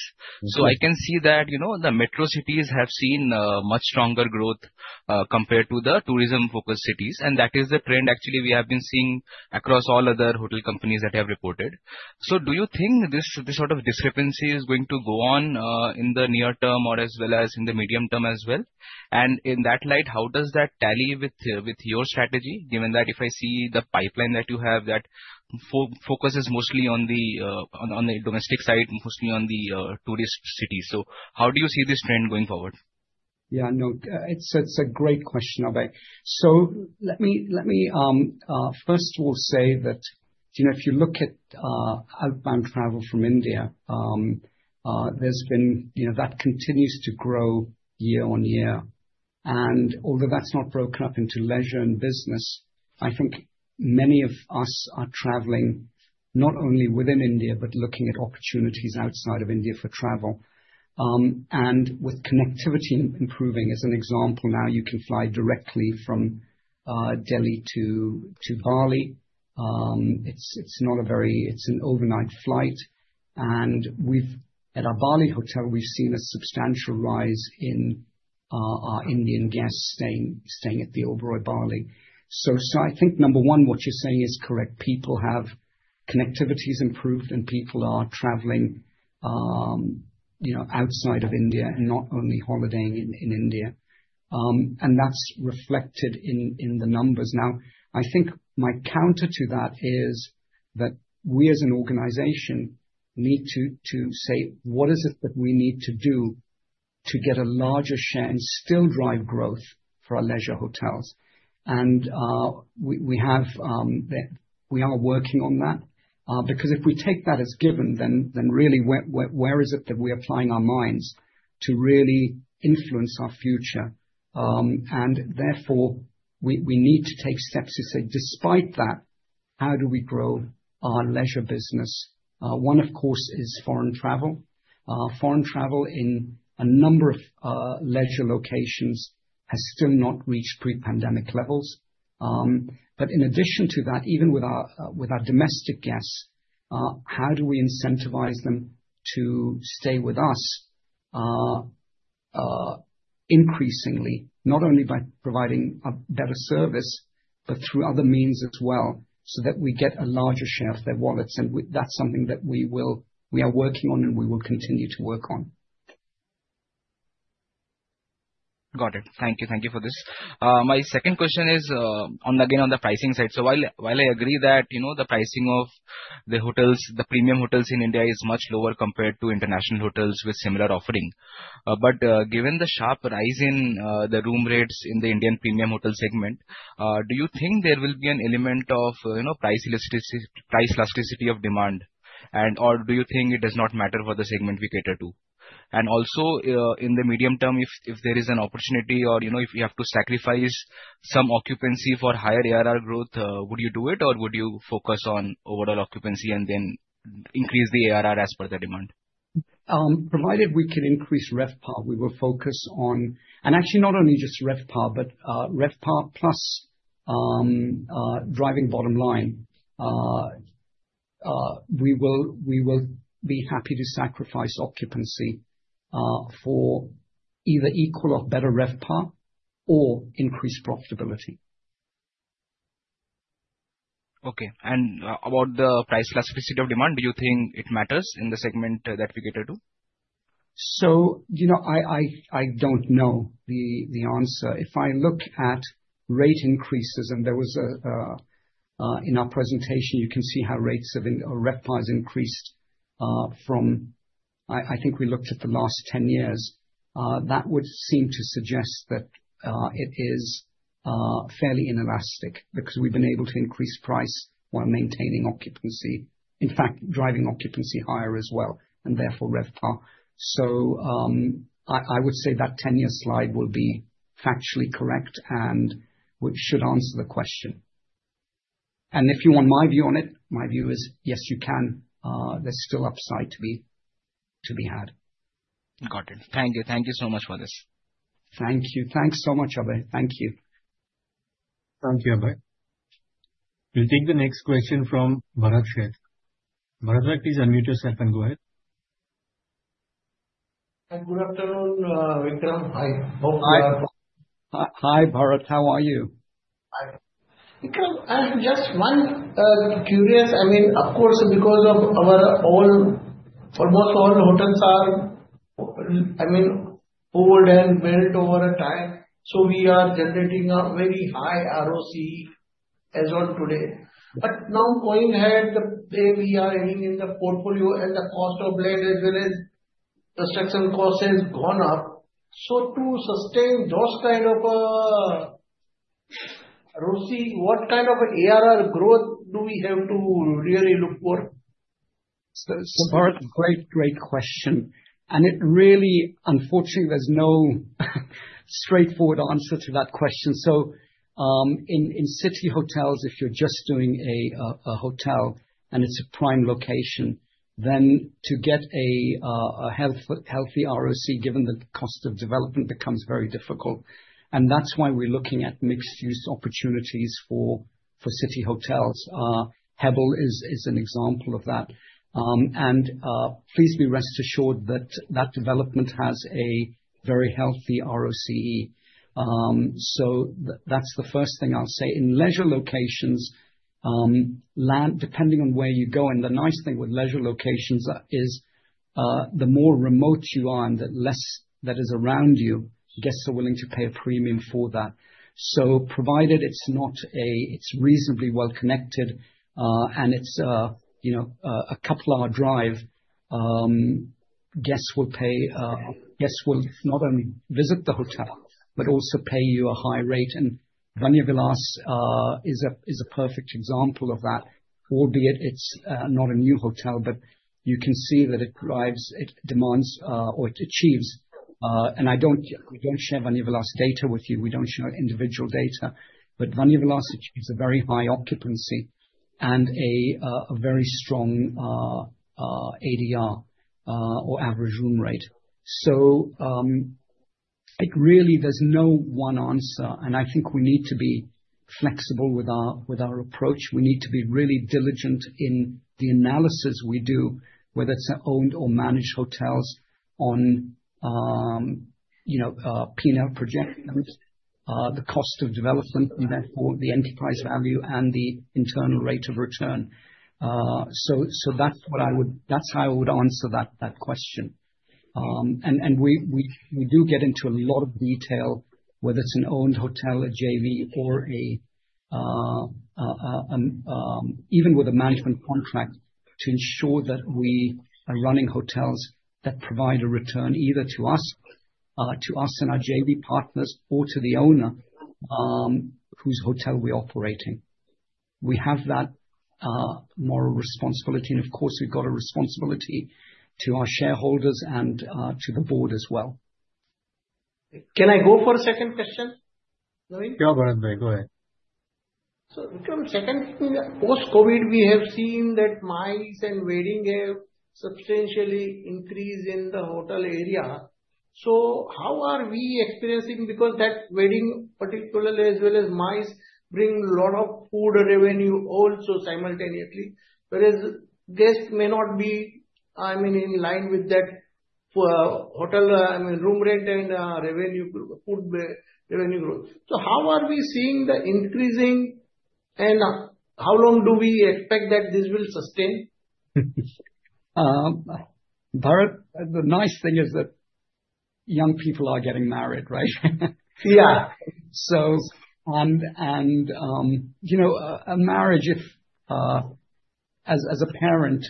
Speaker 2: So I can see that the metro cities have seen much stronger growth compared to the tourism-focused cities. And that is the trend, actually, we have been seeing across all other hotel companies that have reported. So do you think this sort of discrepancy is going to go on in the near term as well as in the medium term as well? And in that light, how does that tally with your strategy, given that if I see the pipeline that you have that focuses mostly on the domestic side, mostly on the tourist cities? So how do you see this trend going forward? Yeah. No, it's a great question, Abhay. So let me first of all say that if you look at outbound travel from India, there's been that continues to grow year on year. And although that's not broken up into leisure and business, I think many of us are traveling not only within India but looking at opportunities outside of India for travel. And with connectivity improving, as an example, now you can fly directly from Delhi to Bali. It's an overnight flight. And at our Bali hotel, we've seen a substantial rise in our Indian guests staying at the Oberoi Bali. So I think, number one, what you're saying is correct. People have connectivities improved, and people are traveling outside of India and not only holidaying in India. And that's reflected in the numbers. Now, I think my counter to that is that we, as an organization, need to say, "What is it that we need to do to get a larger share and still drive growth for our leisure hotels?" And we are working on that because if we take that as given, then really, where is it that we're applying our minds to really influence our future? And therefore, we need to take steps to say, "Despite that, how do we grow our leisure business?" One, of course, is foreign travel. Foreign travel in a number of leisure locations has still not reached pre-pandemic levels. But in addition to that, even with our domestic guests, how do we incentivize them to stay with us increasingly, not only by providing a better service, but through other means as well so that we get a larger share of their wallets? That's something that we are working on and we will continue to work on. Got it. Thank you. Thank you for this. My second question is, again, on the pricing side. So while I agree that the pricing of the premium hotels in India is much lower compared to international hotels with similar offering, but given the sharp rise in the room rates in the Indian premium hotel segment, do you think there will be an element of price elasticity of demand, or do you think it does not matter for the segment we cater to? And also, in the medium term, if there is an opportunity or if you have to sacrifice some occupancy for higher ARR growth, would you do it, or would you focus on overall occupancy and then increase the ARR as per the demand? Provided we can increase RevPAR, we will focus on, and actually, not only just RevPAR, but RevPAR plus driving bottom line. We will be happy to sacrifice occupancy for either equal or better RevPAR or increased profitability. Okay, and about the price elasticity of demand, do you think it matters in the segment that we cater to? I don't know the answer. If I look at rate increases, and there was in our presentation, you can see how RevPAR has increased from I think we looked at the last 10 years. That would seem to suggest that it is fairly inelastic because we've been able to increase price while maintaining occupancy, in fact, driving occupancy higher as well, and therefore, RevPAR. I would say that 10-year slide will be factually correct and should answer the question. If you want my view on it, my view is, yes, you can. There's still upside to be had.
Speaker 1: Got it. Thank you. Thank you so much for this.
Speaker 3: Thank you. Thanks so much, Abhay. Thank you.
Speaker 1: Thank you, Abhay. We'll take the next question from Bharat Sheth. Bharat, please unmute yourself and go ahead. Good afternoon, Vikram. Hi.
Speaker 2: Hi, Bharat. How are you? Hi. Vikram, I have just one question. I mean, of course, because of our almost all hotels are, I mean, old and built over time, so we are generating a very high ROC as of today. But now, going ahead, the way we are aiming in the portfolio and the cost of land as well as construction costs has gone up. So to sustain those kind of ROC, what kind of ARR growth do we have to really look for? Bharat, great, great question. And really, unfortunately, there's no straightforward answer to that question. So in city hotels, if you're just doing a hotel and it's a prime location, then to get a healthy ROC, given the cost of development, becomes very difficult. And that's why we're looking at mixed-use opportunities for city hotels. Hebbal is an example of that. And please be rest assured that that development has a very healthy ROC. So that's the first thing I'll say. In leisure locations, depending on where you go, and the nice thing with leisure locations is the more remote you are and the less that is around you, guests are willing to pay a premium for that. So provided it's reasonably well connected and it's a couple-hour drive, guests will not only visit the hotel but also pay you a high rate. And Vanyavilas is a perfect example of that, albeit it's not a new hotel, but you can see that it demands or it achieves. And we don't share Vanyavilas data with you. We don't share individual data. But Vanyavilas achieves a very high occupancy and a very strong ADR or average room rate. So really, there's no one answer. And I think we need to be flexible with our approach. We need to be really diligent in the analysis we do, whether it's owned or managed hotels, on P&L projections, the cost of development, and therefore, the enterprise value and the internal rate of return. So that's how I would answer that question. And we do get into a lot of detail, whether it's an owned hotel, a JV, or even with a management contract, to ensure that we are running hotels that provide a return either to us, to us and our JV partners, or to the owner whose hotel we're operating. We have that moral responsibility. And of course, we've got a responsibility to our shareholders and to the board as well. Can I go for a second question, Naveen?
Speaker 1: Yeah, Abhay, go ahead. So, Vikram, second thing, post-COVID, we have seen that MICE and weddings have substantially increased in the hotel area. So how are we experiencing because those weddings, particularly as well as MICE, bring a lot of food revenue also simultaneously, whereas guests may not be, I mean, in line with that hotel, I mean, room rate and food revenue growth. So how are we seeing the increasing, and how long do we expect that this will sustain?
Speaker 2: Bharat, the nice thing is that young people are getting married, right? Yeah. And a marriage, as a parent,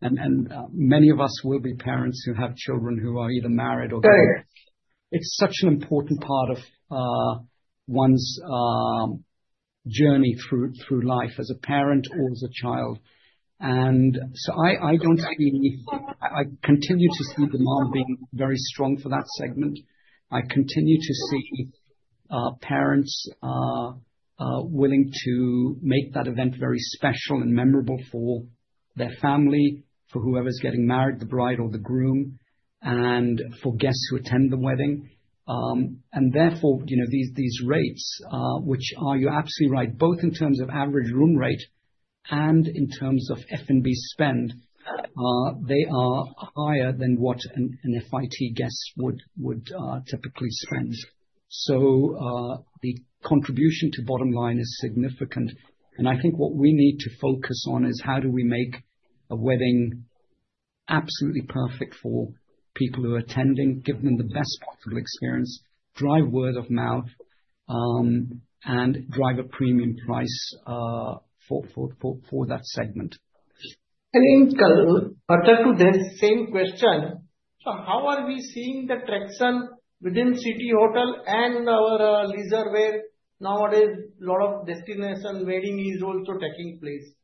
Speaker 2: and many of us will be parents who have children who are either married or divorced, it's such an important part of one's journey through life as a parent or as a child. And so I continue to see demand being very strong for that segment. I continue to see parents willing to make that event very special and memorable for their family, for whoever's getting married, the bride or the groom, and for guests who attend the wedding. And therefore, these rates, which are, you're absolutely right, both in terms of average room rate and in terms of F&B spend, they are higher than what an FIT guest would typically spend. So the contribution to bottom line is significant. I think what we need to focus on is how do we make a wedding absolutely perfect for people who are attending, give them the best possible experience, drive word of mouth, and drive a premium price for that segment. I think, Bharat, to the same question, so how are we seeing the traction within city hotel and our leisure where nowadays a lot of destination wedding is also taking place?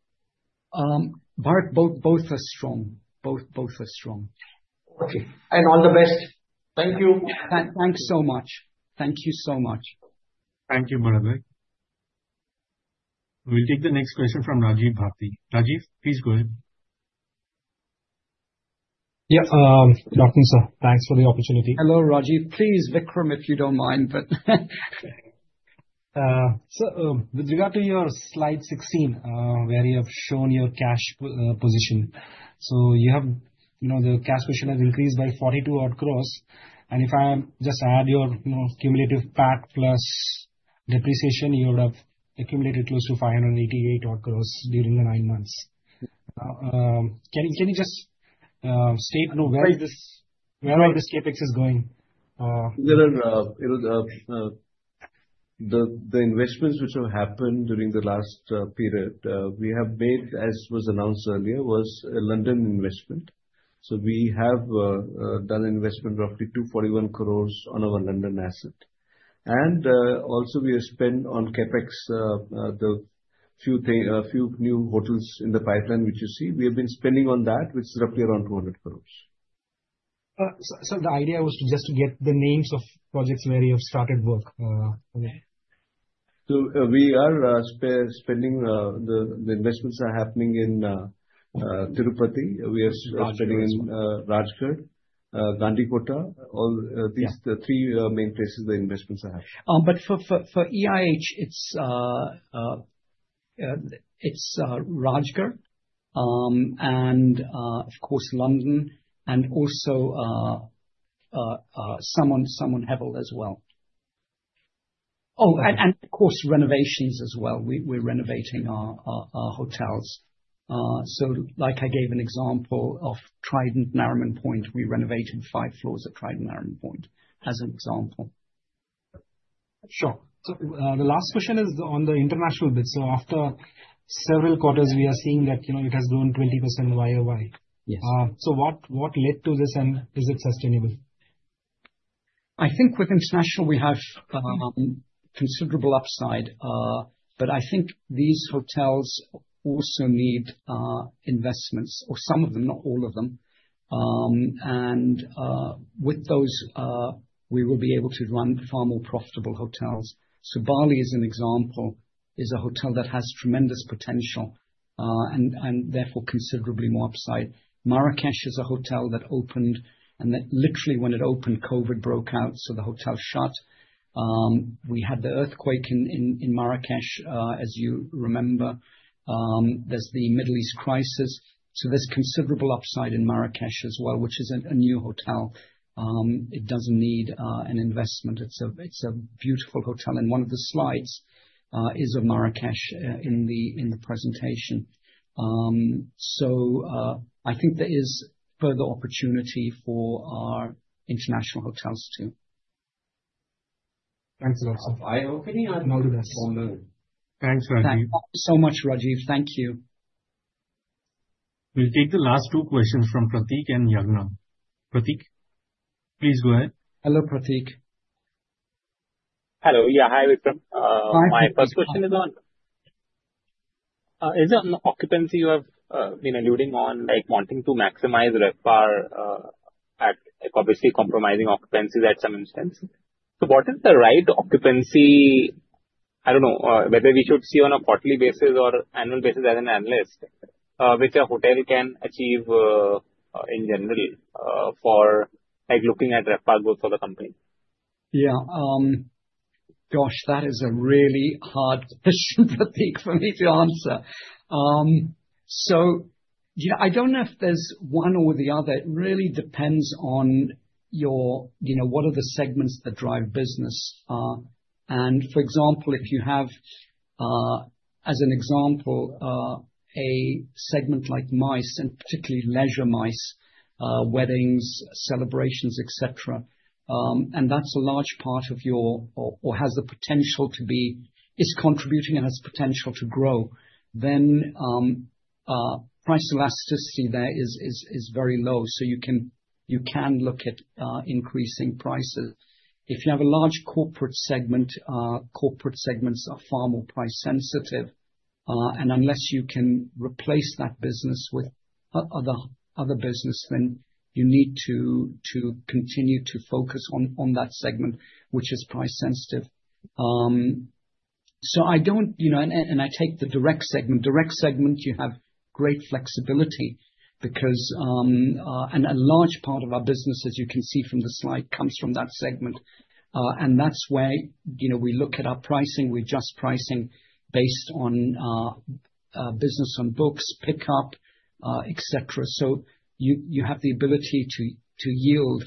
Speaker 2: Bharat, both are strong. Both are strong. Okay. And all the best. Thank you.
Speaker 3: Thanks so much. Thank you so much.
Speaker 1: Thank you, Abhay. We'll take the next question from Rajiv Bharati. Rajiv, please go ahead. Yeah. Good afternoon, sir. Thanks for the opportunity.
Speaker 3: Hello, Rajiv. Please, Vikram, if you don't mind. So with regard to your slide 16, where you have shown your cash position. So the cash position has increased by 42 odd crores. And if I just add your cumulative PAT plus depreciation, you would have accumulated close to 588 odd crores during the nine months. Can you just state where this CapEx is going? The investments which have happened during the last period, we have made, as was announced earlier, was a London investment. So we have done an investment of up to 241 crores on our London asset. And also, we have spent on Capex, the few new hotels in the pipeline which you see. We have been spending on that, which is roughly around 200 crores. So the idea was just to get the names of projects where you have started work. We are spending. The investments are happening in Tirupati. We are spending in Rajgarh, Gandikota, all these three main places the investments are happening.
Speaker 2: But for EIH, it's Rajgarh and, of course, London and also some on Hebbal as well. Oh, and of course, renovations as well. We're renovating our hotels. So like I gave an example of Trident Nariman Point, we renovated five floors at Trident Nariman Point as an example. Sure. So the last question is on the international bit. So after several quarters, we are seeing that it has grown 20% YOY. So what led to this, and is it sustainable? I think with international, we have considerable upside. But I think these hotels also need investments, or some of them, not all of them. And with those, we will be able to run far more profitable hotels. So Bali is an example, is a hotel that has tremendous potential and therefore considerably more upside. Marrakech is a hotel that opened, and literally, when it opened, COVID broke out, so the hotel shut. We had the earthquake in Marrakech, as you remember. There's the Middle East crisis. So there's considerable upside in Marrakech as well, which is a new hotel. It doesn't need an investment. It's a beautiful hotel. And one of the slides is of Marrakech in the presentation. So I think there is further opportunity for our international hotels too. Thanks a lot, sir. Eye-opening, I've noticed.
Speaker 1: Thanks, Rajiv.
Speaker 2: Thank you so much, Rajiv. Thank you.
Speaker 1: We'll take the last two questions from Prateek and Yagnam. Prateek, please go ahead.
Speaker 2: Hello, Prateek. Hello. Yeah, hi, Vikram. My first question is on occupancy you have been alluding to. Like wanting to maximize RevPAR at obviously compromising occupancy at some instance. So what is the right occupancy? I don't know whether we should see on a quarterly basis or annual basis as an analyst, which a hotel can achieve in general for looking at RevPAR goals for the company? Yeah. Gosh, that is a really hard question, Prateek, for me to answer. So I don't know if there's one or the other. It really depends on what are the segments that drive business. And for example, if you have, as an example, a segment like mice, and particularly leisure mice, weddings, celebrations, etc., and that's a large part of your or has the potential to be is contributing and has potential to grow, then price elasticity there is very low. So you can look at increasing prices. If you have a large corporate segment, corporate segments are far more price sensitive. And unless you can replace that business with other business, then you need to continue to focus on that segment, which is price sensitive. So I don't and I take the direct segment. Direct segment, you have great flexibility because a large part of our business, as you can see from the slide, comes from that segment. And that's why we look at our pricing. We're just pricing based on business on books, pickup, etc. So you have the ability to yield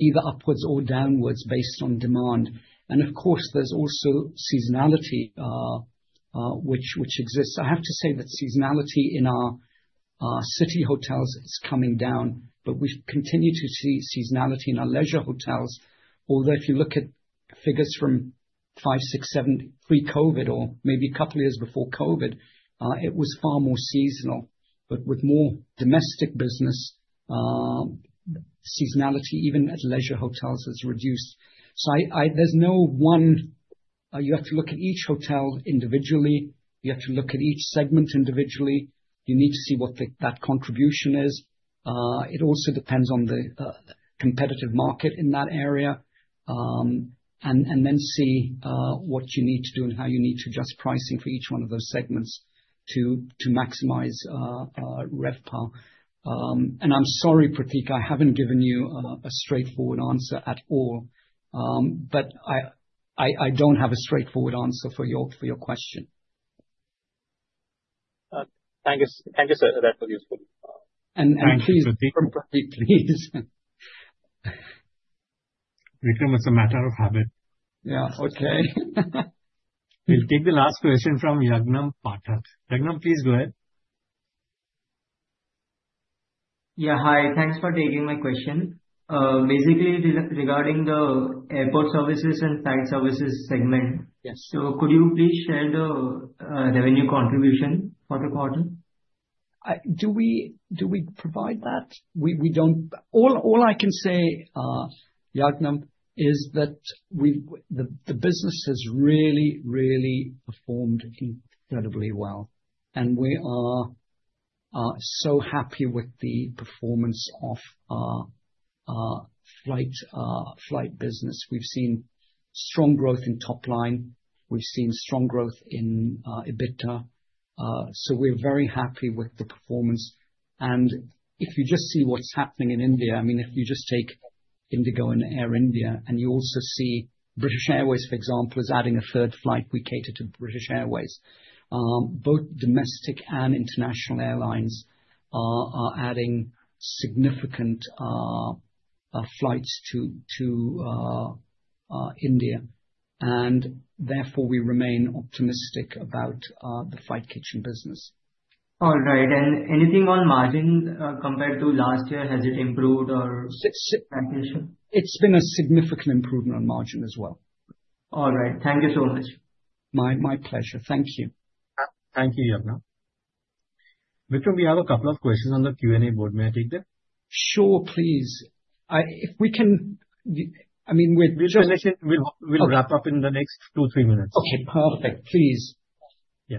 Speaker 2: either upwards or downwards based on demand. And of course, there's also seasonality, which exists. I have to say that seasonality in our city hotels is coming down, but we continue to see seasonality in our leisure hotels. Although if you look at figures from five, six, seven, pre-COVID, or maybe a couple of years before COVID, it was far more seasonal. But with more domestic business, seasonality, even at leisure hotels, has reduced. So there's no one you have to look at each hotel individually. You have to look at each segment individually. You need to see what that contribution is. It also depends on the competitive market in that area. And then see what you need to do and how you need to adjust pricing for each one of those segments to maximize rev power. And I'm sorry, Prateek, I haven't given you a straightforward answer at all, but I don't have a straightforward answer for your question. Thank you, sir. That was useful. Please, Prateek, please.
Speaker 1: Vikram, it's a matter of habit.
Speaker 2: Yeah. Okay.
Speaker 1: We'll take the last question from Yagnam Pathak. Yagnam, please go ahead. Yeah. Hi. Thanks for taking my question. Basically, regarding the airport services and flight services segment, so could you please share the revenue contribution for the quarter?
Speaker 2: Do we provide that? All I can say, Yagnam, is that the business has really, really performed incredibly well, and we are so happy with the performance of our flight business. We've seen strong growth in top line. We've seen strong growth in EBITDA, so we're very happy with the performance, and if you just see what's happening in India, I mean, if you just take Indigo and Air India, and you also see British Airways, for example, is adding a third flight. We cater to British Airways. Both domestic and international airlines are adding significant flights to India, and therefore, we remain optimistic about the flight kitchen business. All right. And anything on margin compared to last year? Has it improved or? It's been a significant improvement on margin as well. All right. Thank you so much. My pleasure. Thank you.
Speaker 1: Thank you, Yagna. Vikram, we have a couple of questions on the Q&A board. May I take them?
Speaker 2: Sure, please. If we can, I mean, with.
Speaker 1: We'll wrap up in the next two, three minutes.
Speaker 2: Okay. Perfect. Please.
Speaker 1: Yeah.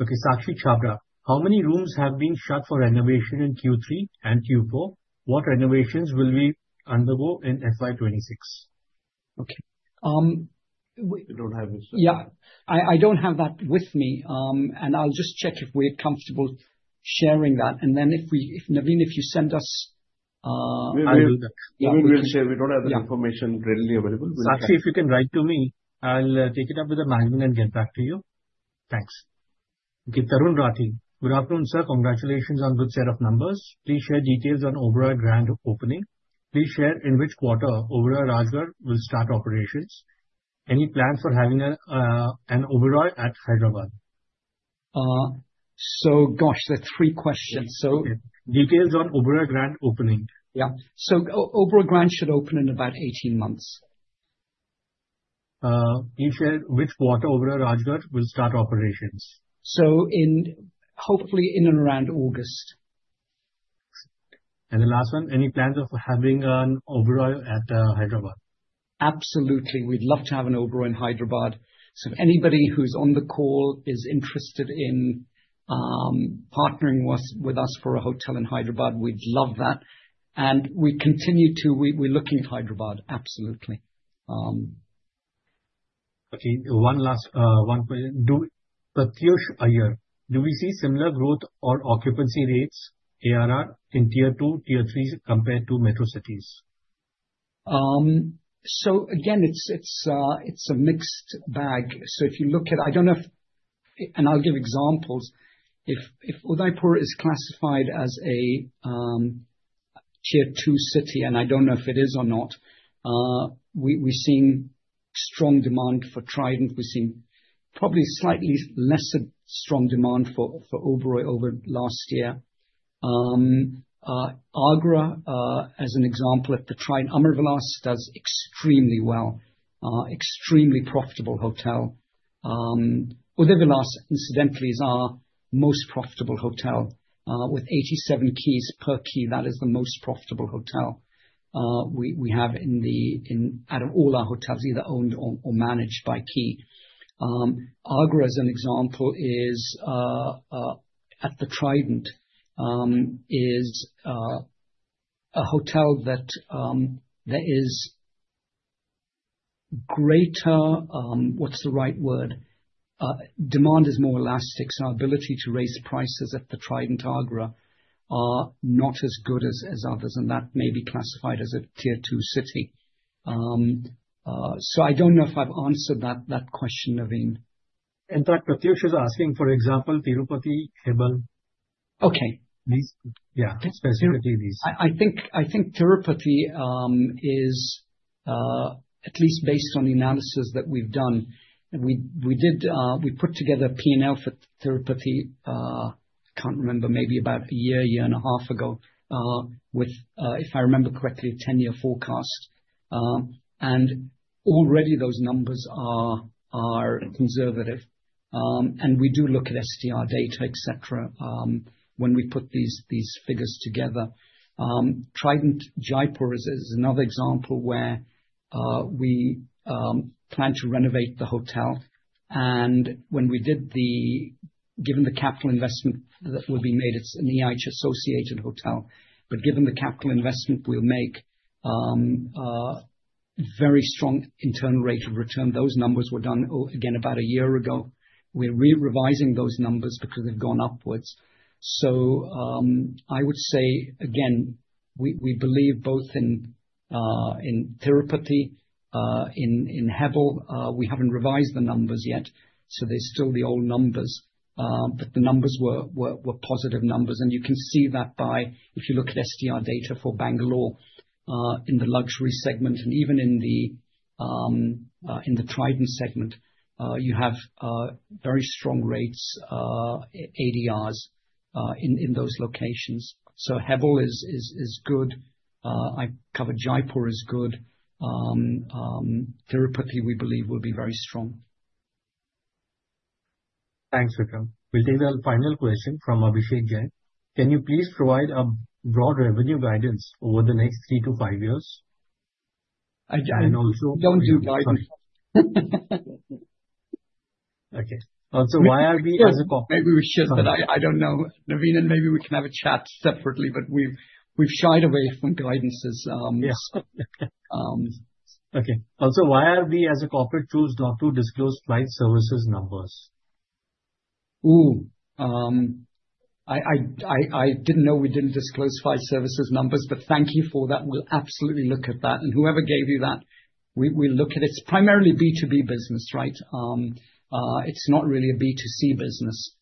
Speaker 1: Okay. Sakshi Chhabra, how many rooms have been shut for renovation in Q3 and Q4? What renovations will we undergo in FY26?
Speaker 2: Okay.
Speaker 1: You don't have it, sir?
Speaker 2: Yeah. I don't have that with me. And I'll just check if we're comfortable sharing that. And then if Naveen, if you send us.
Speaker 1: We will do that. We will share. We don't have that information readily available. Sakshi, if you can write to me, I'll take it up with the management and get back to you.
Speaker 2: Thanks.
Speaker 1: Okay. Tarun Rathi, good afternoon, sir. Congratulations on a good set of numbers. Please share details on Oberoi Grand opening. Please share in which quarter Oberoi Rajgarh will start operations. Any plans for having an Oberoi at Hyderabad?
Speaker 2: So gosh, there are three questions.
Speaker 1: Details on overall grand opening.
Speaker 2: Yeah. So Oberoi Grand should open in about 18 months.
Speaker 1: Please share which quarter Oberoi Rajgarh will start operations?
Speaker 2: So hopefully in and around August.
Speaker 1: The last one, any plans of having an Oberoi at Hyderabad?
Speaker 2: Absolutely. We'd love to have an Oberoi in Hyderabad. So anybody who's on the call is interested in partnering with us for a hotel in Hyderabad, we'd love that. And we continue to look at Hyderabad. Absolutely.
Speaker 1: Okay. One last question. Prateesh Iyer, do we see similar growth or occupancy rates, ARR, in Tier 2, Tier 3 compared to metro cities?
Speaker 2: So again, it's a mixed bag. So if you look at, I don't know if, and I'll give examples. If Udaipur is classified as a Tier 2 city, and I don't know if it is or not, we're seeing strong demand for Trident. We're seeing probably slightly less strong demand for Oberoi over last year. Agra, as an example, at the Trident, Amarvilas, does extremely well. Extremely profitable hotel. Udaivilas, incidentally, is our most profitable hotel. With 87K per key, that is the most profitable hotel we have out of all our hotels, either owned or managed by EIH. Agra, as an example, at the Trident, is a hotel that there is greater what's the right word? Demand is more elastic, so our ability to raise prices at the Trident Agra are not as good as others, and that may be classified as a Tier 2 city. So I don't know if I've answered that question, Naveen.
Speaker 1: In fact, Prateesh is asking, for example, Tirupati, Hebbal.
Speaker 2: Okay.
Speaker 1: Yeah. Specifically these.
Speaker 2: I think Tirupati is, at least based on the analysis that we've done. We put together a P&L for Tirupati. I can't remember, maybe about a year, year and a half ago, with, if I remember correctly, a 10-year forecast, and already those numbers are conservative. We do look at STR data, etc., when we put these figures together. Trident, Jaipur is another example where we plan to renovate the hotel, and when we did the given the capital investment that will be made, it's an EIH-associated hotel. But given the capital investment we'll make, very strong internal rate of return. Those numbers were done, again, about a year ago. We're revising those numbers because they've gone upwards. I would say, again, we believe both in Tirupati, in Hebbal. We haven't revised the numbers yet, so they're still the old numbers. But the numbers were positive numbers. You can see that if you look at STR data for Bangalore in the luxury segment, and even in the Trident segment, you have very strong rates, ADRs, in those locations. Hebbal is good. I covered Jaipur is good. Tirupati, we believe, will be very strong.
Speaker 1: Thanks, Vikram. We'll take the final question from Abhishek Jain. Can you please provide a broad revenue guidance over the next three to five years?
Speaker 2: I don't do guidance.
Speaker 1: Okay. Also, why are we as a corporate?
Speaker 2: Maybe we should, but I don't know. Naveen, and maybe we can have a chat separately, but we've shied away from guidances.
Speaker 1: Yes. Okay. Also, why are we, as a corporation, choosing not to disclose flight services numbers?
Speaker 2: Ooh. I didn't know we didn't disclose flight services numbers, but thank you for that. We'll absolutely look at that. And whoever gave you that, we'll look at it. It's primarily B2B business, right? It's not really a B2C business.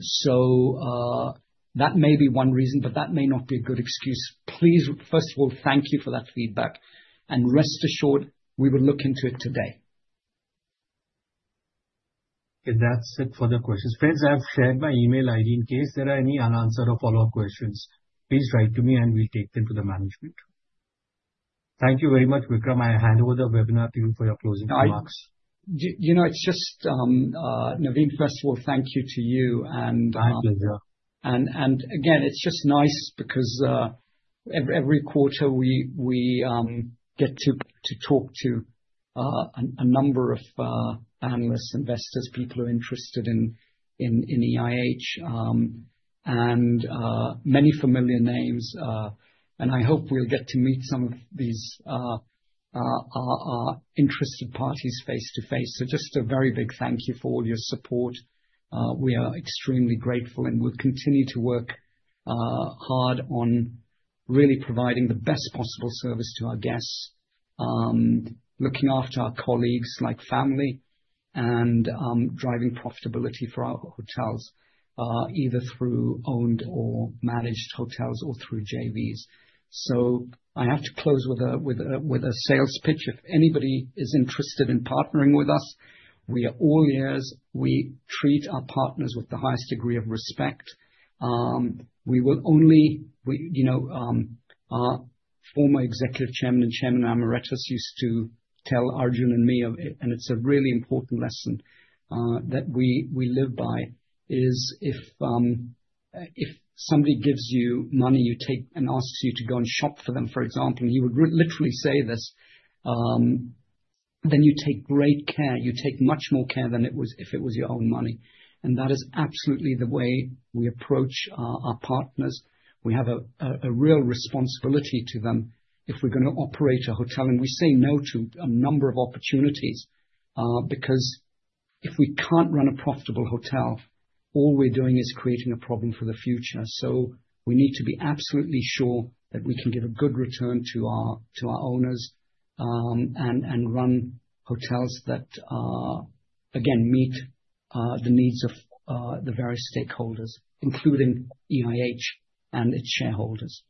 Speaker 2: So that may be one reason, but that may not be a good excuse. Please, first of all, thank you for that feedback. And rest assured, we will look into it today.
Speaker 1: Okay. That's it for the questions. Friends, I have shared my email ID in case there are any unanswered or follow-up questions. Please write to me, and we'll take them to the management. Thank you very much, Vikram. I hand over the webinar to you for your closing remarks.
Speaker 2: You know, it's just Naveen, first of all, thank you to you.
Speaker 1: My pleasure.
Speaker 2: Again, it's just nice because every quarter, we get to talk to a number of analysts, investors, people who are interested in EIH, and many familiar names. I hope we'll get to meet some of these interested parties face to face. Just a very big thank you for all your support. We are extremely grateful, and we'll continue to work hard on really providing the best possible service to our guests, looking after our colleagues like family, and driving profitability for our hotels, either through owned or managed hotels or through JVs. I have to close with a sales pitch. If anybody is interested in partnering with us, we are all ears. We treat our partners with the highest degree of respect. Well, our former Executive Chairman and Chairman Emeritus used to tell Arjun and me, and it's a really important lesson that we live by, is if somebody gives you money, you take it and he asks you to go and shop for them, for example, and he would literally say this, then you take great care. You take much more care than if it was your own money. And that is absolutely the way we approach our partners. We have a real responsibility to them if we're going to operate a hotel. And we say no to a number of opportunities because if we can't run a profitable hotel, all we're doing is creating a problem for the future. We need to be absolutely sure that we can give a good return to our owners and run hotels that, again, meet the needs of the various stakeholders, including EIH and its shareholders.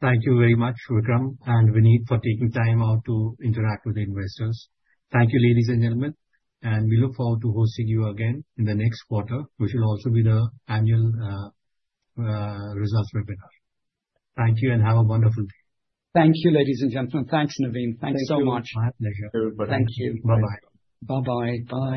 Speaker 1: Thank you very much, Vikram and Vaneet, for taking time out to interact with the investors. Thank you, ladies and gentlemen. And we look forward to hosting you again in the next quarter, which will also be the annual results webinar. Thank you, and have a wonderful day.
Speaker 2: Thank you, ladies and gentlemen. Thanks, Naveen. Thanks so much.
Speaker 1: Thank you. My pleasure. Thank you. Bye-bye.
Speaker 2: Bye-bye. Bye.